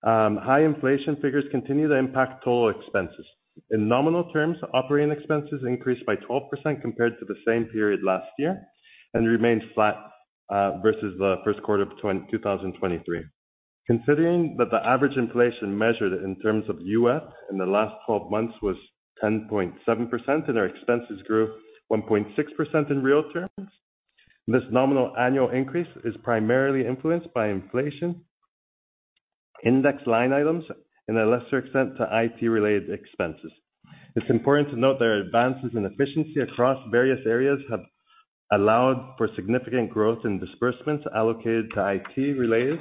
high inflation figures continue to impact total expenses. In nominal terms, operating expenses increased by 12% compared to the same period last year, and remained flat versus the first quarter of 2023. Considering that the average inflation measured in terms of US in the last 12 months was 10.7%, and our expenses grew 1.6% in real terms, this nominal annual increase is primarily influenced by inflation, index line items, and a lesser extent to IT-related expenses. It's important to note that advances in efficiency across various areas have allowed for significant growth in disbursements allocated to IT-related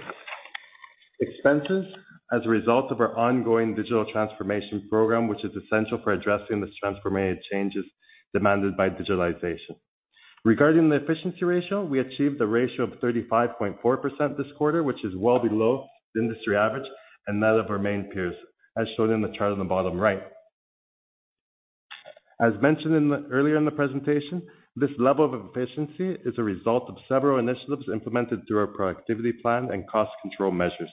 expenses as a result of our ongoing digital transformation program, which is essential for addressing the transformative changes demanded by digitalization. Regarding the efficiency ratio, we achieved a ratio of 35.4% this quarter, which is well below the industry average and that of our main peers, as shown in the chart on the bottom right. As mentioned earlier in the presentation, this level of efficiency is a result of several initiatives implemented through our productivity plan and cost control measures.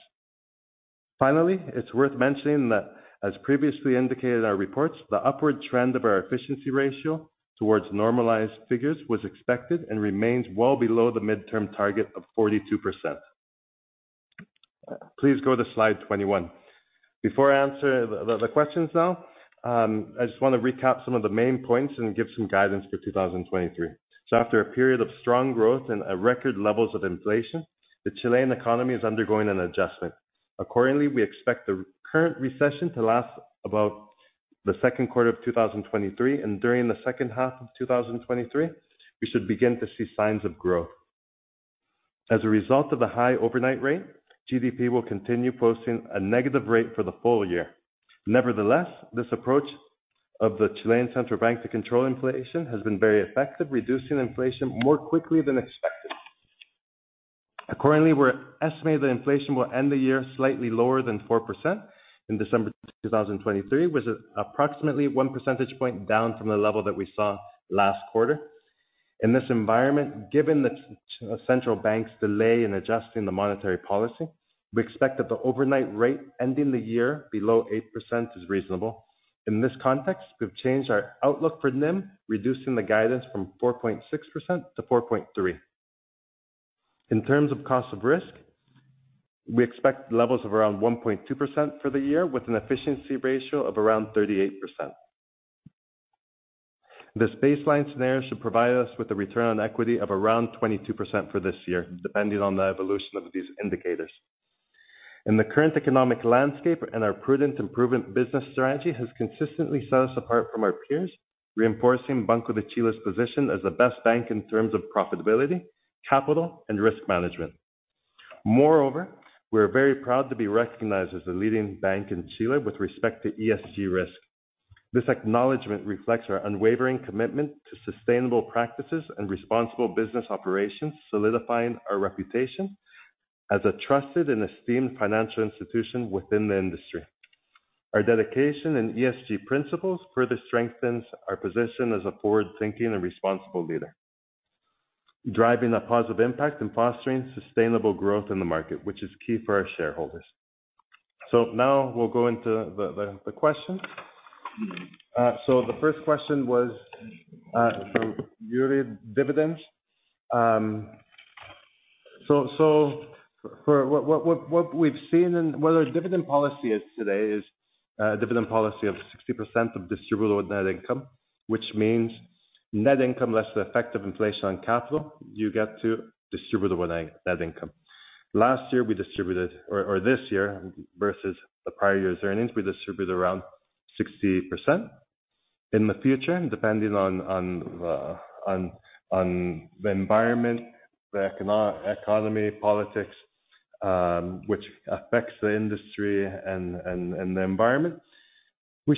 Finally, it's worth mentioning that, as previously indicated in our reports, the upward trend of our efficiency ratio towards normalized figures was expected and remains well below the midterm target of 42%. Please go to Slide 21. Before I answer the, the, the questions now, I just want to recap some of the main points and give some guidance for 2023. After a period of strong growth and record levels of inflation, the Chilean economy is undergoing an adjustment. Accordingly, we expect the current recession to last about the second quarter of 2023, and during the second half of 2023, we should begin to see signs of growth. As a result of the high overnight rate, GDP will continue posting a negative rate for the full year. Nevertheless, this approach of the Chilean Central Bank to control inflation has been very effective, reducing inflation more quickly than expected. Accordingly, we're estimating that inflation will end the year slightly lower than 4% in December 2023, which is approximately one percentage point down from the level that we saw last quarter. In this environment, given the Central Bank's delay in adjusting the monetary policy, we expect that the overnight rate ending the year below 8% is reasonable. In this context, we've changed our outlook for NIM, reducing the guidance from 4.6%-4.3%. In terms of cost of risk, we expect levels of around 1.2% for the year, with an efficiency ratio of around 38%. This baseline scenario should provide us with a return on equity of around 22% for this year, depending on the evolution of these indicators. In the current economic landscape and our prudent improvement business strategy has consistently set us apart from our peers, reinforcing Banco de Chile's position as the best bank in terms of profitability, capital, and risk management. Moreover, we're very proud to be recognized as the leading bank in Chile with respect to ESG risk. This acknowledgment reflects our unwavering commitment to sustainable practices and responsible business operations, solidifying our reputation as a trusted and esteemed financial institution within the industry. Our dedication in ESG principles further strengthens our position as a forward-thinking and responsible leader, driving a positive impact and fostering sustainable growth in the market, which is key for our shareholders. Now we'll go into the questions. The first question was from Yuri, dividends. For what we've seen and where our dividend policy is today is a dividend policy of 60% of distributable net income, which means net income less the effect of inflation on capital, you get to distributable net income. Last year, we distributed, or, or this year versus the prior year's earnings, we distributed around 60%. In the future, depending on the environment, the economy, politics, which affects the industry and the environment, we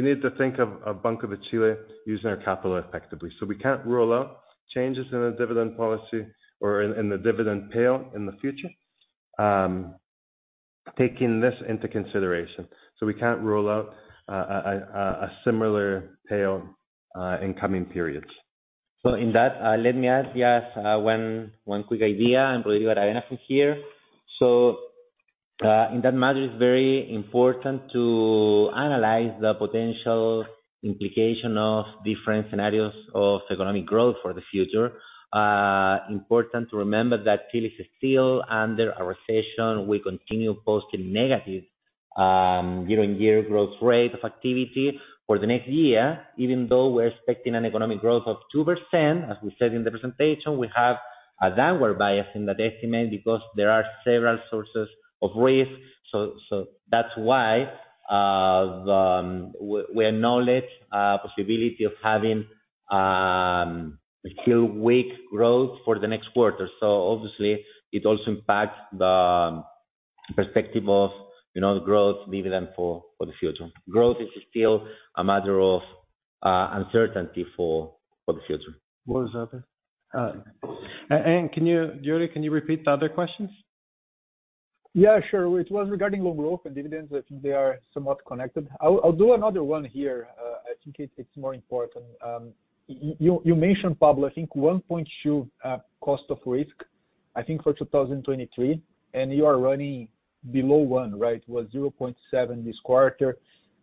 need to think of Banco de Chile using our capital effectively. We can't rule out changes in the dividend policy or in the dividend payout in the future, taking this into consideration. We can't rule out a similar payout in coming periods. In that, let me add, yes, one, one quick idea, and Rodrigo Aravena here. In that matter, it's very important to analyze the potential implication of different scenarios of economic growth for the future. Important to remember that Chile is still under a recession. We continue posting negative, year-on-year growth rate of activity. For the next year, even though we're expecting an economic growth of 2%, as we said in the presentation, we have a downward bias in the estimate because there are several sources of risk. That's why the, we, we acknowledge possibility of having a few weak growth for the next quarter. Obviously, it also impacts the perspective of, you know, the growth dividend for, for the future. Growth is still a matter of uncertainty for, for the future. What was that? Can you. Yuri, can you repeat the other questions? Yeah, sure. It was regarding low growth and dividends, which they are somewhat connected. I'll, I'll do another one here. I think it, it's more important. You, you mentioned, Pablo, I think 1.2 cost of risk, I think, for 2023, and you are running below one, right? It was 0.7 this quarter,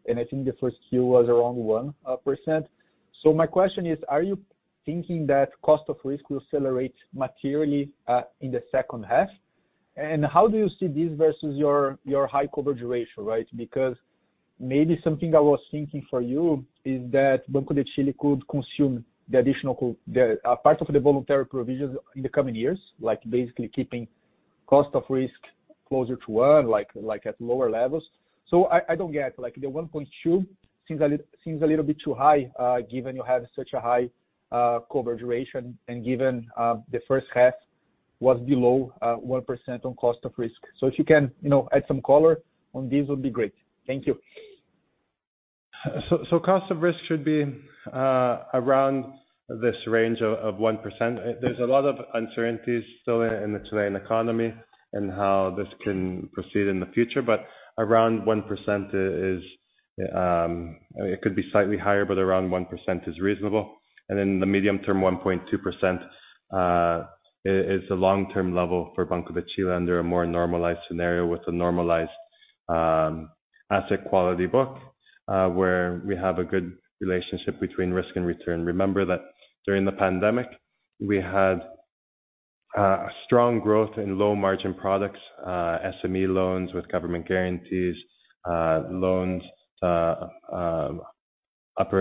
and I think the 1Q was around 1%. So my question is: are you thinking that cost of risk will accelerate materially in the second half? How do you see this versus your, your high coverage ratio, right? Because maybe something I was thinking for you is that Banco de Chile could consume the additional part of the voluntary provisions in the coming years, like, basically keeping cost of risk closer to 1, like, like, at lower levels. I, I don't get, like, the 1.2 seems a little bit too high, given you have such a high coverage ratio and given the first half was below 1% on cost of risk. If you can, you know, add some color on this, would be great. Thank you. Cost of risk should be around this range of 1%. There's a lot of uncertainties still in the Chilean economy and how this can proceed in the future, but around 1% is. It could be slightly higher, but around 1% is reasonable. The medium term, 1.2% is the long-term level for Banco de Chile under a more normalized scenario with a normalized asset quality book, where we have a good relationship between risk and return. Remember that during the pandemic, we had strong growth in low-margin products, SME loans with government guarantees, loans, upper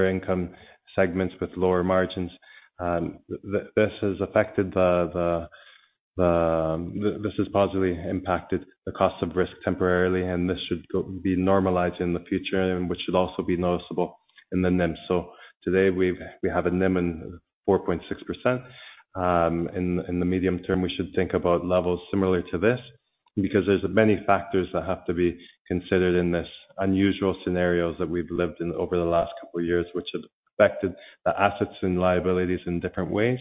income segments with lower margins. This has positively impacted the cost of risk temporarily, and this should be normalized in the future, and which should also be noticeable in the NIM. Today, we have a NIM in 4.6%. In the medium term, we should think about levels similar to this, because there's many factors that have to be considered in this unusual scenarios that we've lived in over the last couple of years, which have affected the assets and liabilities in different ways,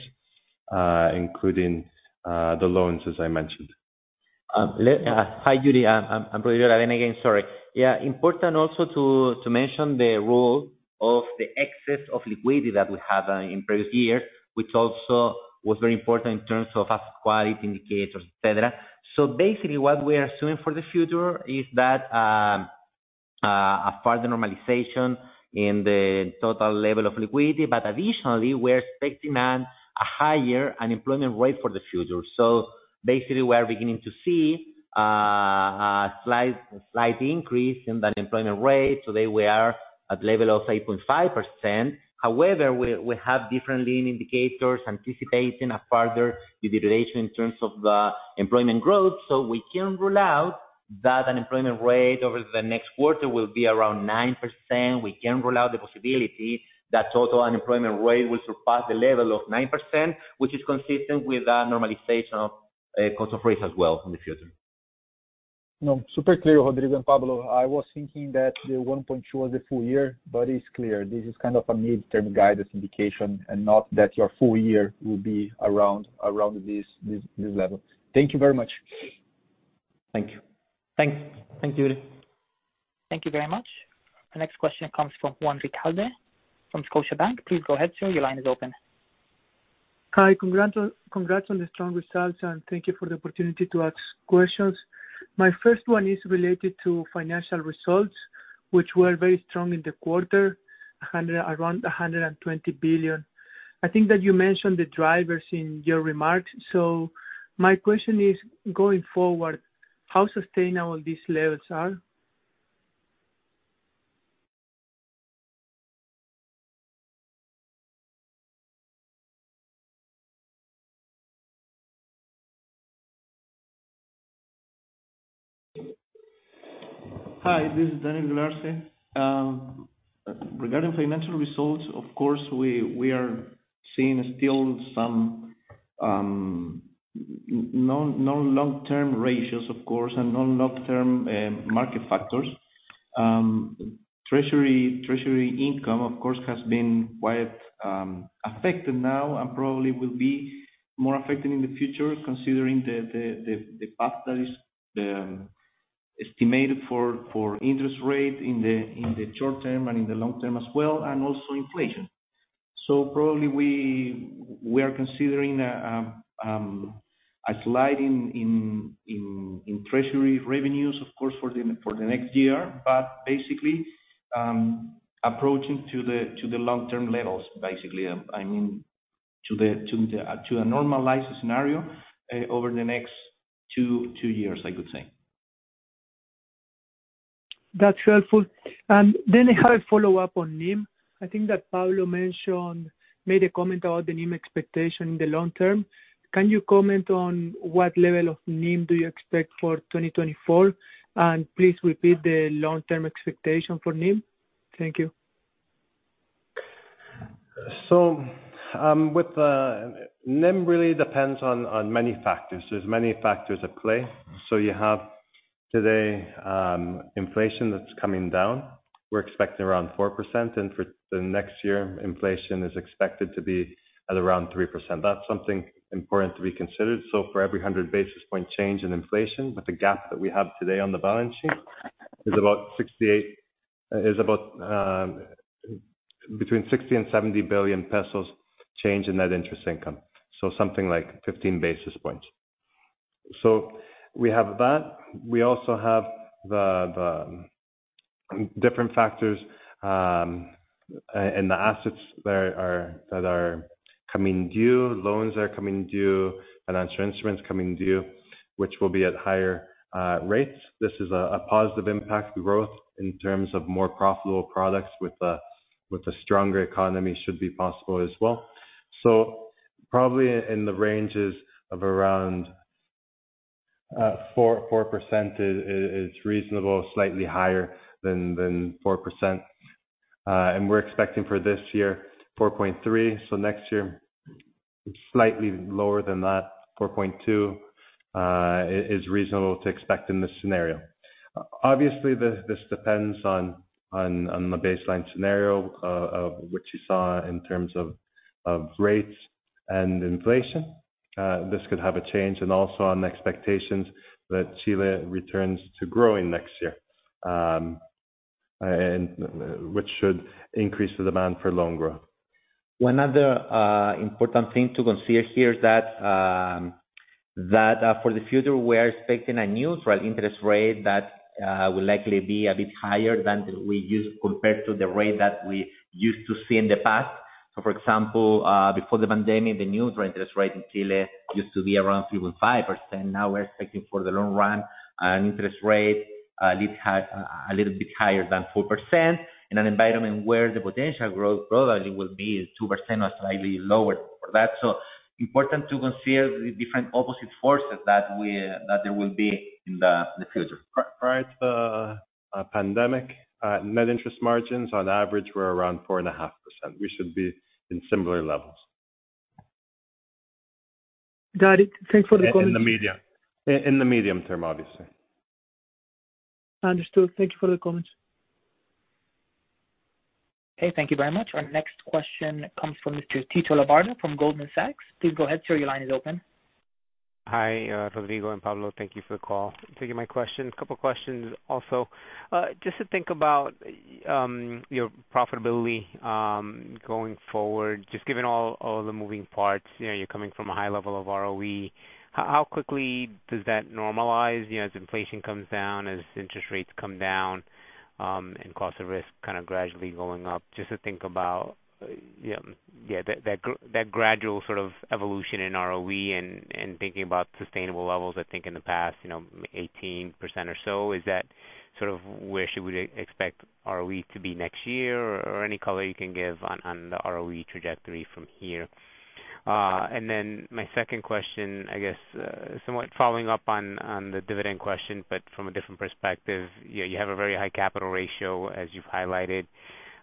including the loans, as I mentioned. Hi, Yuri. I'm Rodrigo Aravena again. Sorry. Yeah, important also to mention the role of the excess of liquidity that we have in previous years, which also was very important in terms of asset quality indicators, et cetera. Basically, what we are assuming for the future is that a further normalization in the total level of liquidity, but additionally, we're expecting a higher unemployment rate for the future. Basically, we are beginning to see a slight increase in the unemployment rate, so they were at level of 8.5%. However, we have different leading indicators anticipating a further deterioration in terms of the employment growth, so we can't rule out that unemployment rate over the next quarter will be around 9%. We can't rule out the possibility that total unemployment rate will surpass the level of 9%, which is consistent with a normalization of cost of risk as well in the future. No, super clear, Rodrigo and Pablo. I was thinking that the 1.2 was a full year, but it's clear this is kind of a midterm guidance indication, and not that your full year will be around, around this, this, this level. Thank you very much. Thank you. Thanks. Thank you. Thank you very much. The next question comes from Juan Ricalde, from Scotiabank. Please go ahead, sir, your line is open. Hi, congrats on, congrats on the strong results, and thank you for the opportunity to ask questions. My first one is related to financial results, which were very strong in the quarter, around 120 billion. I think that you mentioned the drivers in your remarks, so my question is, going forward, how sustainable these levels are? Hi, this is Daniel Galarce. Regarding financial results, of course, we, we are seeing still some, no, no long-term ratios, of course, and no long-term market factors. Treasury, treasury income, of course, has been quite affected now and probably will be more affected in the future, considering the, the, the, the path that is estimated for, for interest rate in the, in the short term and in the long term as well, and also inflation. Probably we, we are considering a slide in, in, in, in treasury revenues, of course, for the, for the next year, but basically, approaching to the, to the long-term levels, basically. I mean, to the, to the, to a normalized scenario, over the next two, two years, I could say. That's helpful. Then I have a follow-up on NIM. I think that Pablo made a comment about the NIM expectation in the long term. Can you comment on what level of NIM do you expect for 2024? Please repeat the long-term expectation for NIM. Thank you. With NIM really depends on many factors. There's many factors at play. You have today, inflation that's coming down. We're expecting around 4%, and for the next year, inflation is expected to be at around 3%. That's something important to be considered. For every 100 basis point change in inflation, but the gap that we have today on the balance sheet is about 68, is about between 60 and 70 billion pesos change in net interest income, so something like 15 basis points. We have that. We also have the, the different factors, and the assets that are, that are coming due, loans that are coming due, financial instruments coming due, which will be at higher rates. This is a positive impact to growth in terms of more profitable products with a stronger economy, should be possible as well. Probably in the ranges of around 4, 4% is reasonable, slightly higher than 4%. We're expecting for this year, 4.3. Next year, slightly lower than that, 4.2 is reasonable to expect in this scenario. Obviously, this depends on the baseline scenario of which you saw in terms of rates and inflation. This could have a change and also on the expectations that Chile returns to growing next year, which should increase the demand for loan growth. One other important thing to consider here is that for the future, we are expecting a neutral interest rate that will likely be a bit higher compared to the rate that we used to see in the past. For example, before the pandemic, the neutral interest rate in Chile used to be around 3.5%. Now, we're expecting for the long run, an interest rate, this has a little bit higher than 4%, in an environment where the potential growth probably will be 2% or slightly lower for that. Important to consider the different opposite forces that there will be in the future. Prior to the pandemic, net interest margins on average were around 4.5%. We should be in similar levels. Got it. Thank you for the comments. In the medium, in the medium term, obviously. Understood. Thank you for the comments. Okay, thank you very much. Our next question comes from Mr. Tito Labarthe from Goldman Sachs. Please go ahead, sir. Your line is open. Hi, Rodrigo and Pablo, thank you for the call. Thank you for my questions. A couple questions also. Just to think about your profitability going forward, just given all the moving parts, you know, you're coming from a high level of ROE. How quickly does that normalize, you know, as inflation comes down, as interest rates come down, and cost of risk kind of gradually going up? Just to think about, yeah, yeah, that, that, that gradual sort of evolution in ROE and, and thinking about sustainable levels, I think in the past, you know, 18% or so. Is that sort of where should we expect ROE to be next year? Or any color you can give on the ROE trajectory from here? My second question, I guess, somewhat following up on, on the dividend question, but from a different perspective. You, you have a very high capital ratio, as you've highlighted.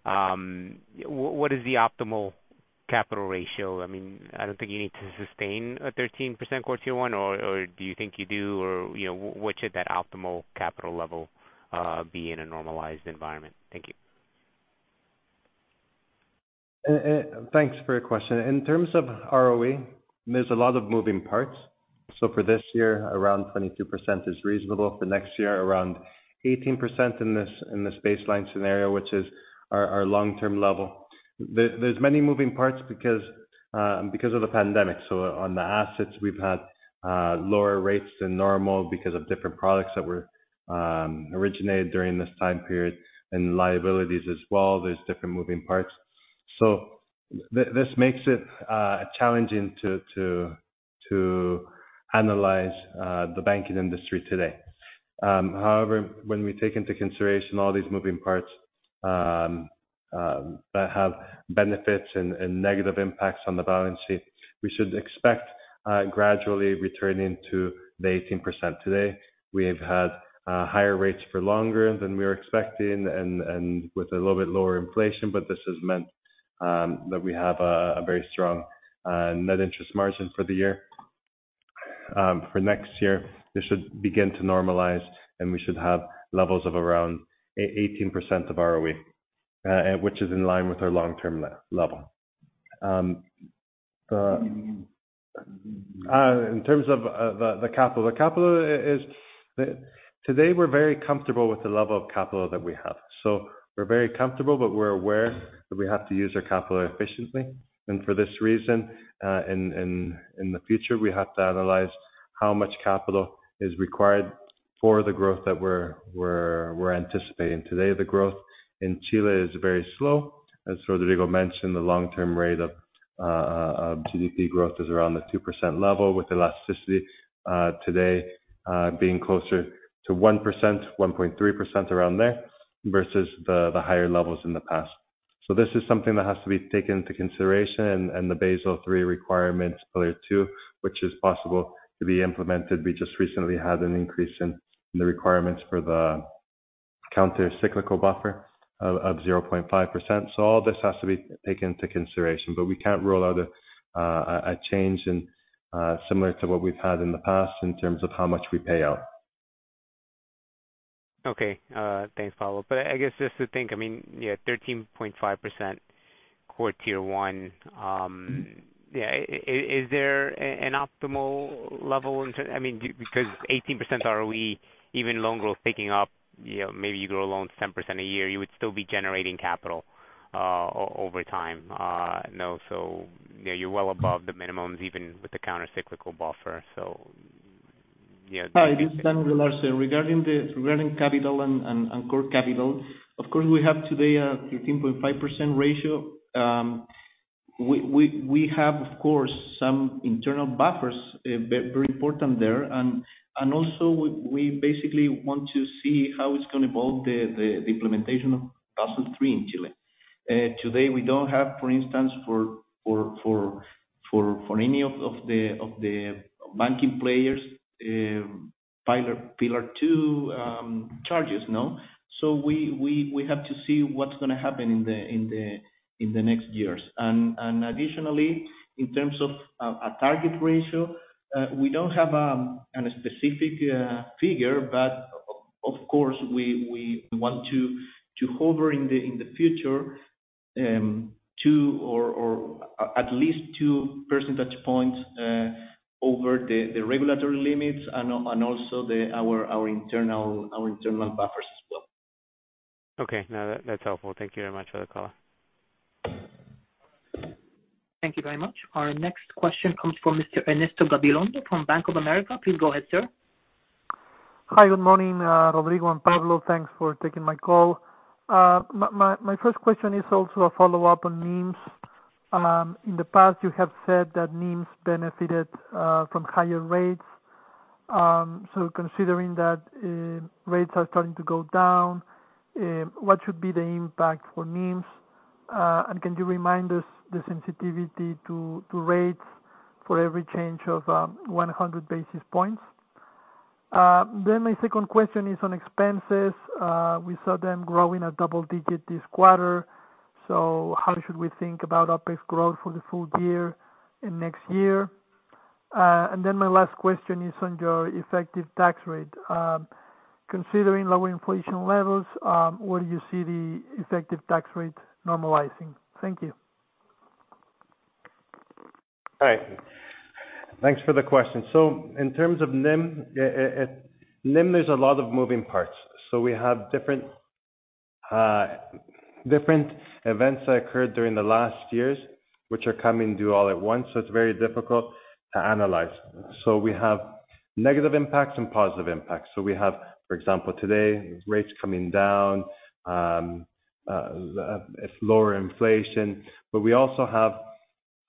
What is the optimal capital ratio? I mean, I don't think you need to sustain a 13% core Tier 1, or, or do you think you do? Or, you know, what should that optimal capital level be in a normalized environment? Thank you. Thanks for your question. In terms of ROE, there's a lot of moving parts. For this year, around 22% is reasonable. For next year, around 18% in this, in this baseline scenario, which is our, our long-term level. There, there's many moving parts because, because of the pandemic. On the assets we've had, lower rates than normal because of different products that were originated during this time period, and liabilities as well, there's different moving parts. This makes it challenging to, to, to analyze the banking industry today. However, when we take into consideration all these moving parts that have benefits and, and negative impacts on the balance sheet, we should expect gradually returning to the 18%. Today, we have had higher rates for longer than we were expecting and with a little bit lower inflation, but this has meant that we have a very strong net interest margin for the year. For next year, this should begin to normalize, and we should have levels of around 18% of ROE, which is in line with our long-term level. In terms of the capital, the capital is. Today, we're very comfortable with the level of capital that we have. We're very comfortable, but we're aware that we have to use our capital efficiently. For this reason, in the future, we have to analyze how much capital is required for the growth that we're anticipating. Today, the growth in Chile is very slow. As Rodrigo mentioned, the long-term rate of GDP growth is around the 2% level, with elasticity today being closer to 1%, 1.3%, around there, versus the higher levels in the past. This is something that has to be taken into consideration, and the Basel III requirements, Pillar Two, which is possible to be implemented. We just recently had an increase in the requirements for the countercyclical buffer of 0.5%. All this has to be taken into consideration, but we can't rule out a change in similar to what we've had in the past in terms of how much we pay out. Okay. Thanks, Pablo. I guess just to think, I mean, yeah, 13.5% core Tier 1. Yeah, is there an optimal level in I mean, because 18% ROE, even loan growth picking up, you know, maybe you grow loans 10% a year, you would still be generating capital over time. No, yeah, you're well above the minimum, even with the countercyclical buffer. Yeah. Hi, this is Rodrigo Larsen. Regarding regarding capital and, and, and core capital, of course, we have today a 13.5% ratio. We, we, we have, of course, some internal buffers, very important there. Also, we, we basically want to see how it's going to evolve the, the, the implementation of Basel III in Chile. Today, we don't have, for instance, for, for, for, for, for any of, of the, of the banking players, Pillar, Pillar Two, charges, no? We, we, we have to see what's going to happen in the, in the, in the next years. Additionally, in terms of a target ratio, we don't have a specific figure, but of course, we want to hover in the future, 2 or at least 2 percentage points over the regulatory limits and also the, our internal, our internal buffers as well. Okay. No, that's helpful. Thank you very much for the call. Thank you very much. Our next question comes from Mr. Ernesto Gabilondo from Bank of America. Please go ahead, sir. Hi, good morning, Rodrigo and Pablo. Thanks for taking my call. My first question is also a follow-up on NIMs. In the past, you have said that NIMs benefited from higher rates. Considering that rates are starting to go down, what should be the impact for NIMs? Can you remind us the sensitivity to rates for every change of 100 basis points? My second question is on expenses. We saw them growing at double digits this quarter, how should we think about OpEx growth for the full year and next year? My last question is on your effective tax rate. Considering lower inflation levels, where do you see the effective tax rate normalizing? Thank you. Hi. Thanks for the question. In terms of NIM, NIM, there's a lot of moving parts. We have different events that occurred during the last years, which are coming due all at once, so it's very difficult to analyze. We have negative impacts and positive impacts. We have, for example, today, rates coming down, lower inflation, but we also have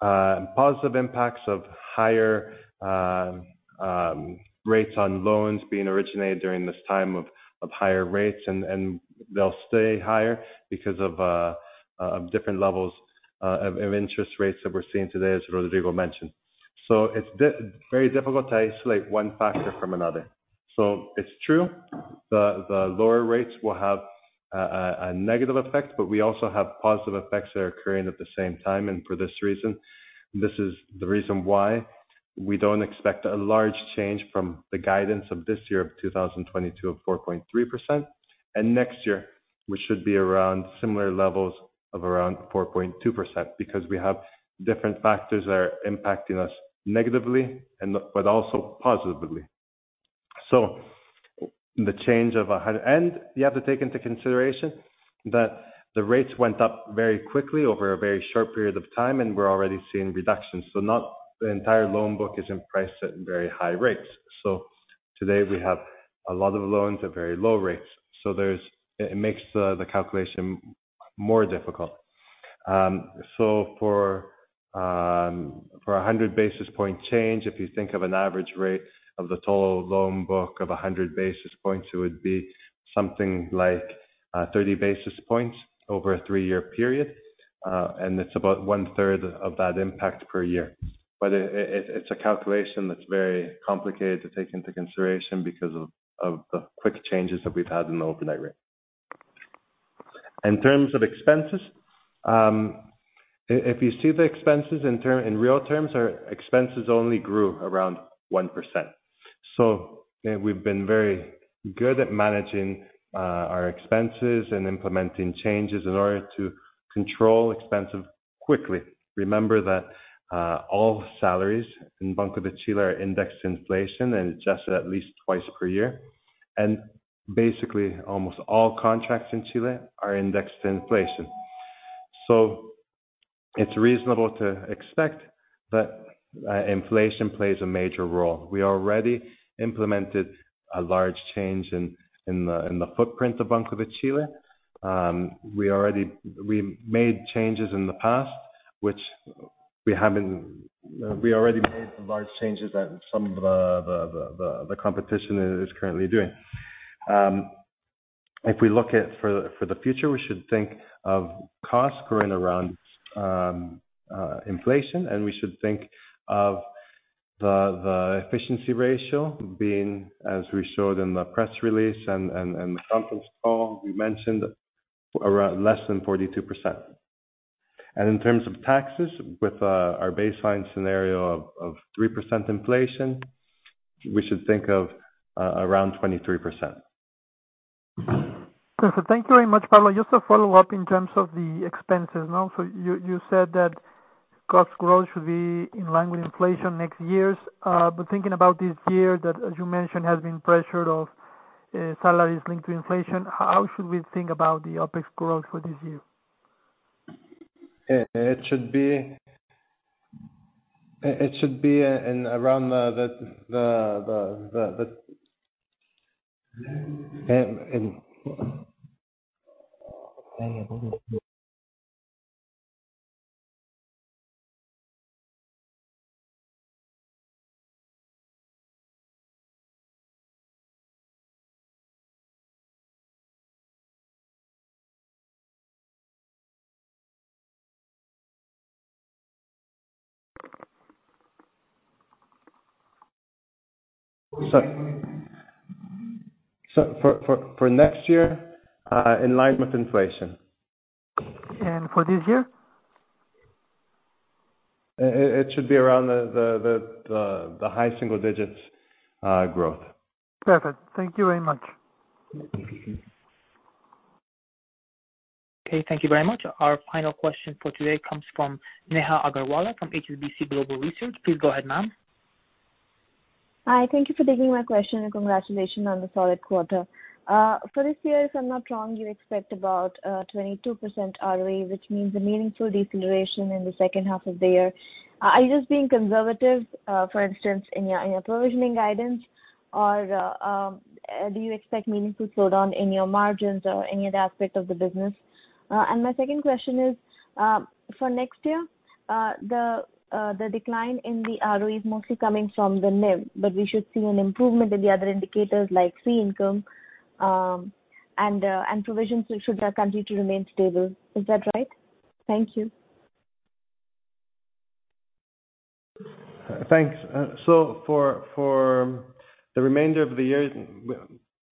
positive impacts of higher rates on loans being originated during this time of higher rates, and they'll stay higher because of different levels of interest rates that we're seeing today, as Rodrigo mentioned. It's very difficult to isolate one factor from another. It's true, the lower rates will have a negative effect. We also have positive effects that are occurring at the same time. For this reason, this is the reason why we don't expect a large change from the guidance of this year of 2022 of 4.3%. Next year, we should be around similar levels of around 4.2%. We have different factors that are impacting us negatively and but also positively. The change of 100, You have to take into consideration that the rates went up very quickly over a very short period of time, and we're already seeing reductions. Not the entire loan book is in price at very high rates. Today we have a lot of loans at very low rates, so there's. It makes the, the calculation more difficult. For a 100 basis point change, if you think of an average rate of the total loan book of 100 basis points, it would be something like 30 basis points over a three-year period. It's about one third of that impact per year. It's a calculation that's very complicated to take into consideration because of, of the quick changes that we've had in the overnight rate. In terms of expenses, if you see the expenses in term, in real terms, our expenses only grew around 1%. We've been very good at managing our expenses and implementing changes in order to control expenses quickly. Remember that all salaries in Banco de Chile are indexed to inflation and adjusted at least twice per year. Basically, almost all contracts in Chile are indexed to inflation. It's reasonable to expect that inflation plays a major role. We already implemented a large change in, in the, in the footprint of Banco de Chile. We already we made changes in the past, which we haven't. We already made large changes that some of the, the, the, the, the competition is currently doing. If we look at for, for the future, we should think of costs growing around inflation, and we should think of the, the efficiency ratio being, as we showed in the press release and, and, and the conference call, we mentioned, around less than 42%. In terms of taxes, with our baseline scenario of 3% inflation, we should think of around 23%. Perfect. Thank you very much, Pablo. Just to follow up in terms of the expenses now. You said that cost growth should be in line with inflation next year's. Thinking about this year, that, as you mentioned, has been pressured of, salaries linked to inflation, how should we think about the OpEx growth for this year? It should be, it should be in around the, the, the, the, the, So, so for, for, for next year, in line with inflation. For this year? It should be around the high single digits growth. Perfect. Thank you very much. Okay, thank you very much. Our final question for today comes from Neha Agrawal, from HSBC Global Research. Please go ahead, ma'am. Hi, thank you for taking my question. Congratulations on the solid quarter. For this year, if I'm not wrong, you expect about 22% ROA, which means a meaningful deceleration in the second half of the year. Are you just being conservative, for instance, in your, in your provisioning guidance? Do you expect meaningful slowdown in your margins or any other aspect of the business? My second question is, for next year, the decline in the ROE is mostly coming from the NIM, but we should see an improvement in the other indicators like fee income, and provisions should continue to remain stable. Is that right? Thank you. Thanks. For, for the remainder of the year, we,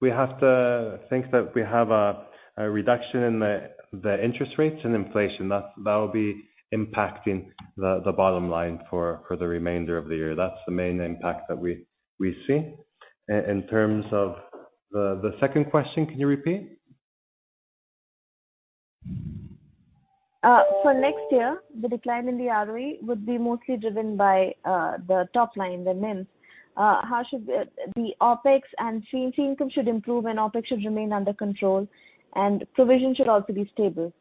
we have to think that we have a, a reduction in the, the interest rates and inflation. That, that will be impacting the, the bottom line for, for the remainder of the year. That's the main impact that we, we see. In terms of the, the second question, can you repeat? For next year, the decline in the ROE would be mostly driven by the top line, the NIMs. How should the OpEx and fee income should improve and OpEx should remain under control, and provision should also be stable.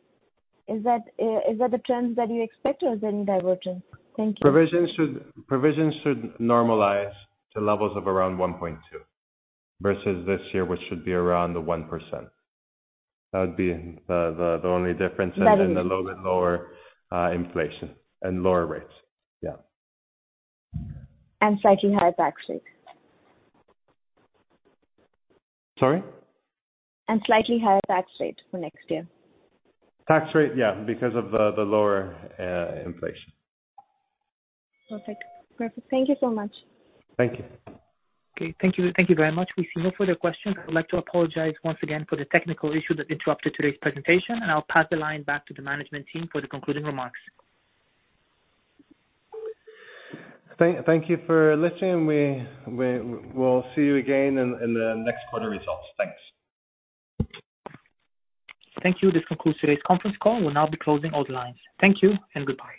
Is that the trends that you expect or is there any divergence? Thank you. Provision should normalize to levels of around 1.2, versus this year, which should be around the 1%. That would be the only difference. That is. Then a little bit lower, inflation and lower rates. Yeah. Slightly higher tax rate? Sorry? Slightly higher tax rate for next year. Tax rate, yeah, because of the, the lower, inflation. Perfect. Perfect. Thank you so much. Thank you. Okay, thank you. Thank you very much. We see no further questions. I'd like to apologize once again for the technical issue that interrupted today's presentation, and I'll pass the line back to the management team for the concluding remarks. Thank you for listening, and we'll see you again in the next quarter results. Thanks. Thank you. This concludes today's conference call. We'll now be closing all the lines. Thank you and goodbye.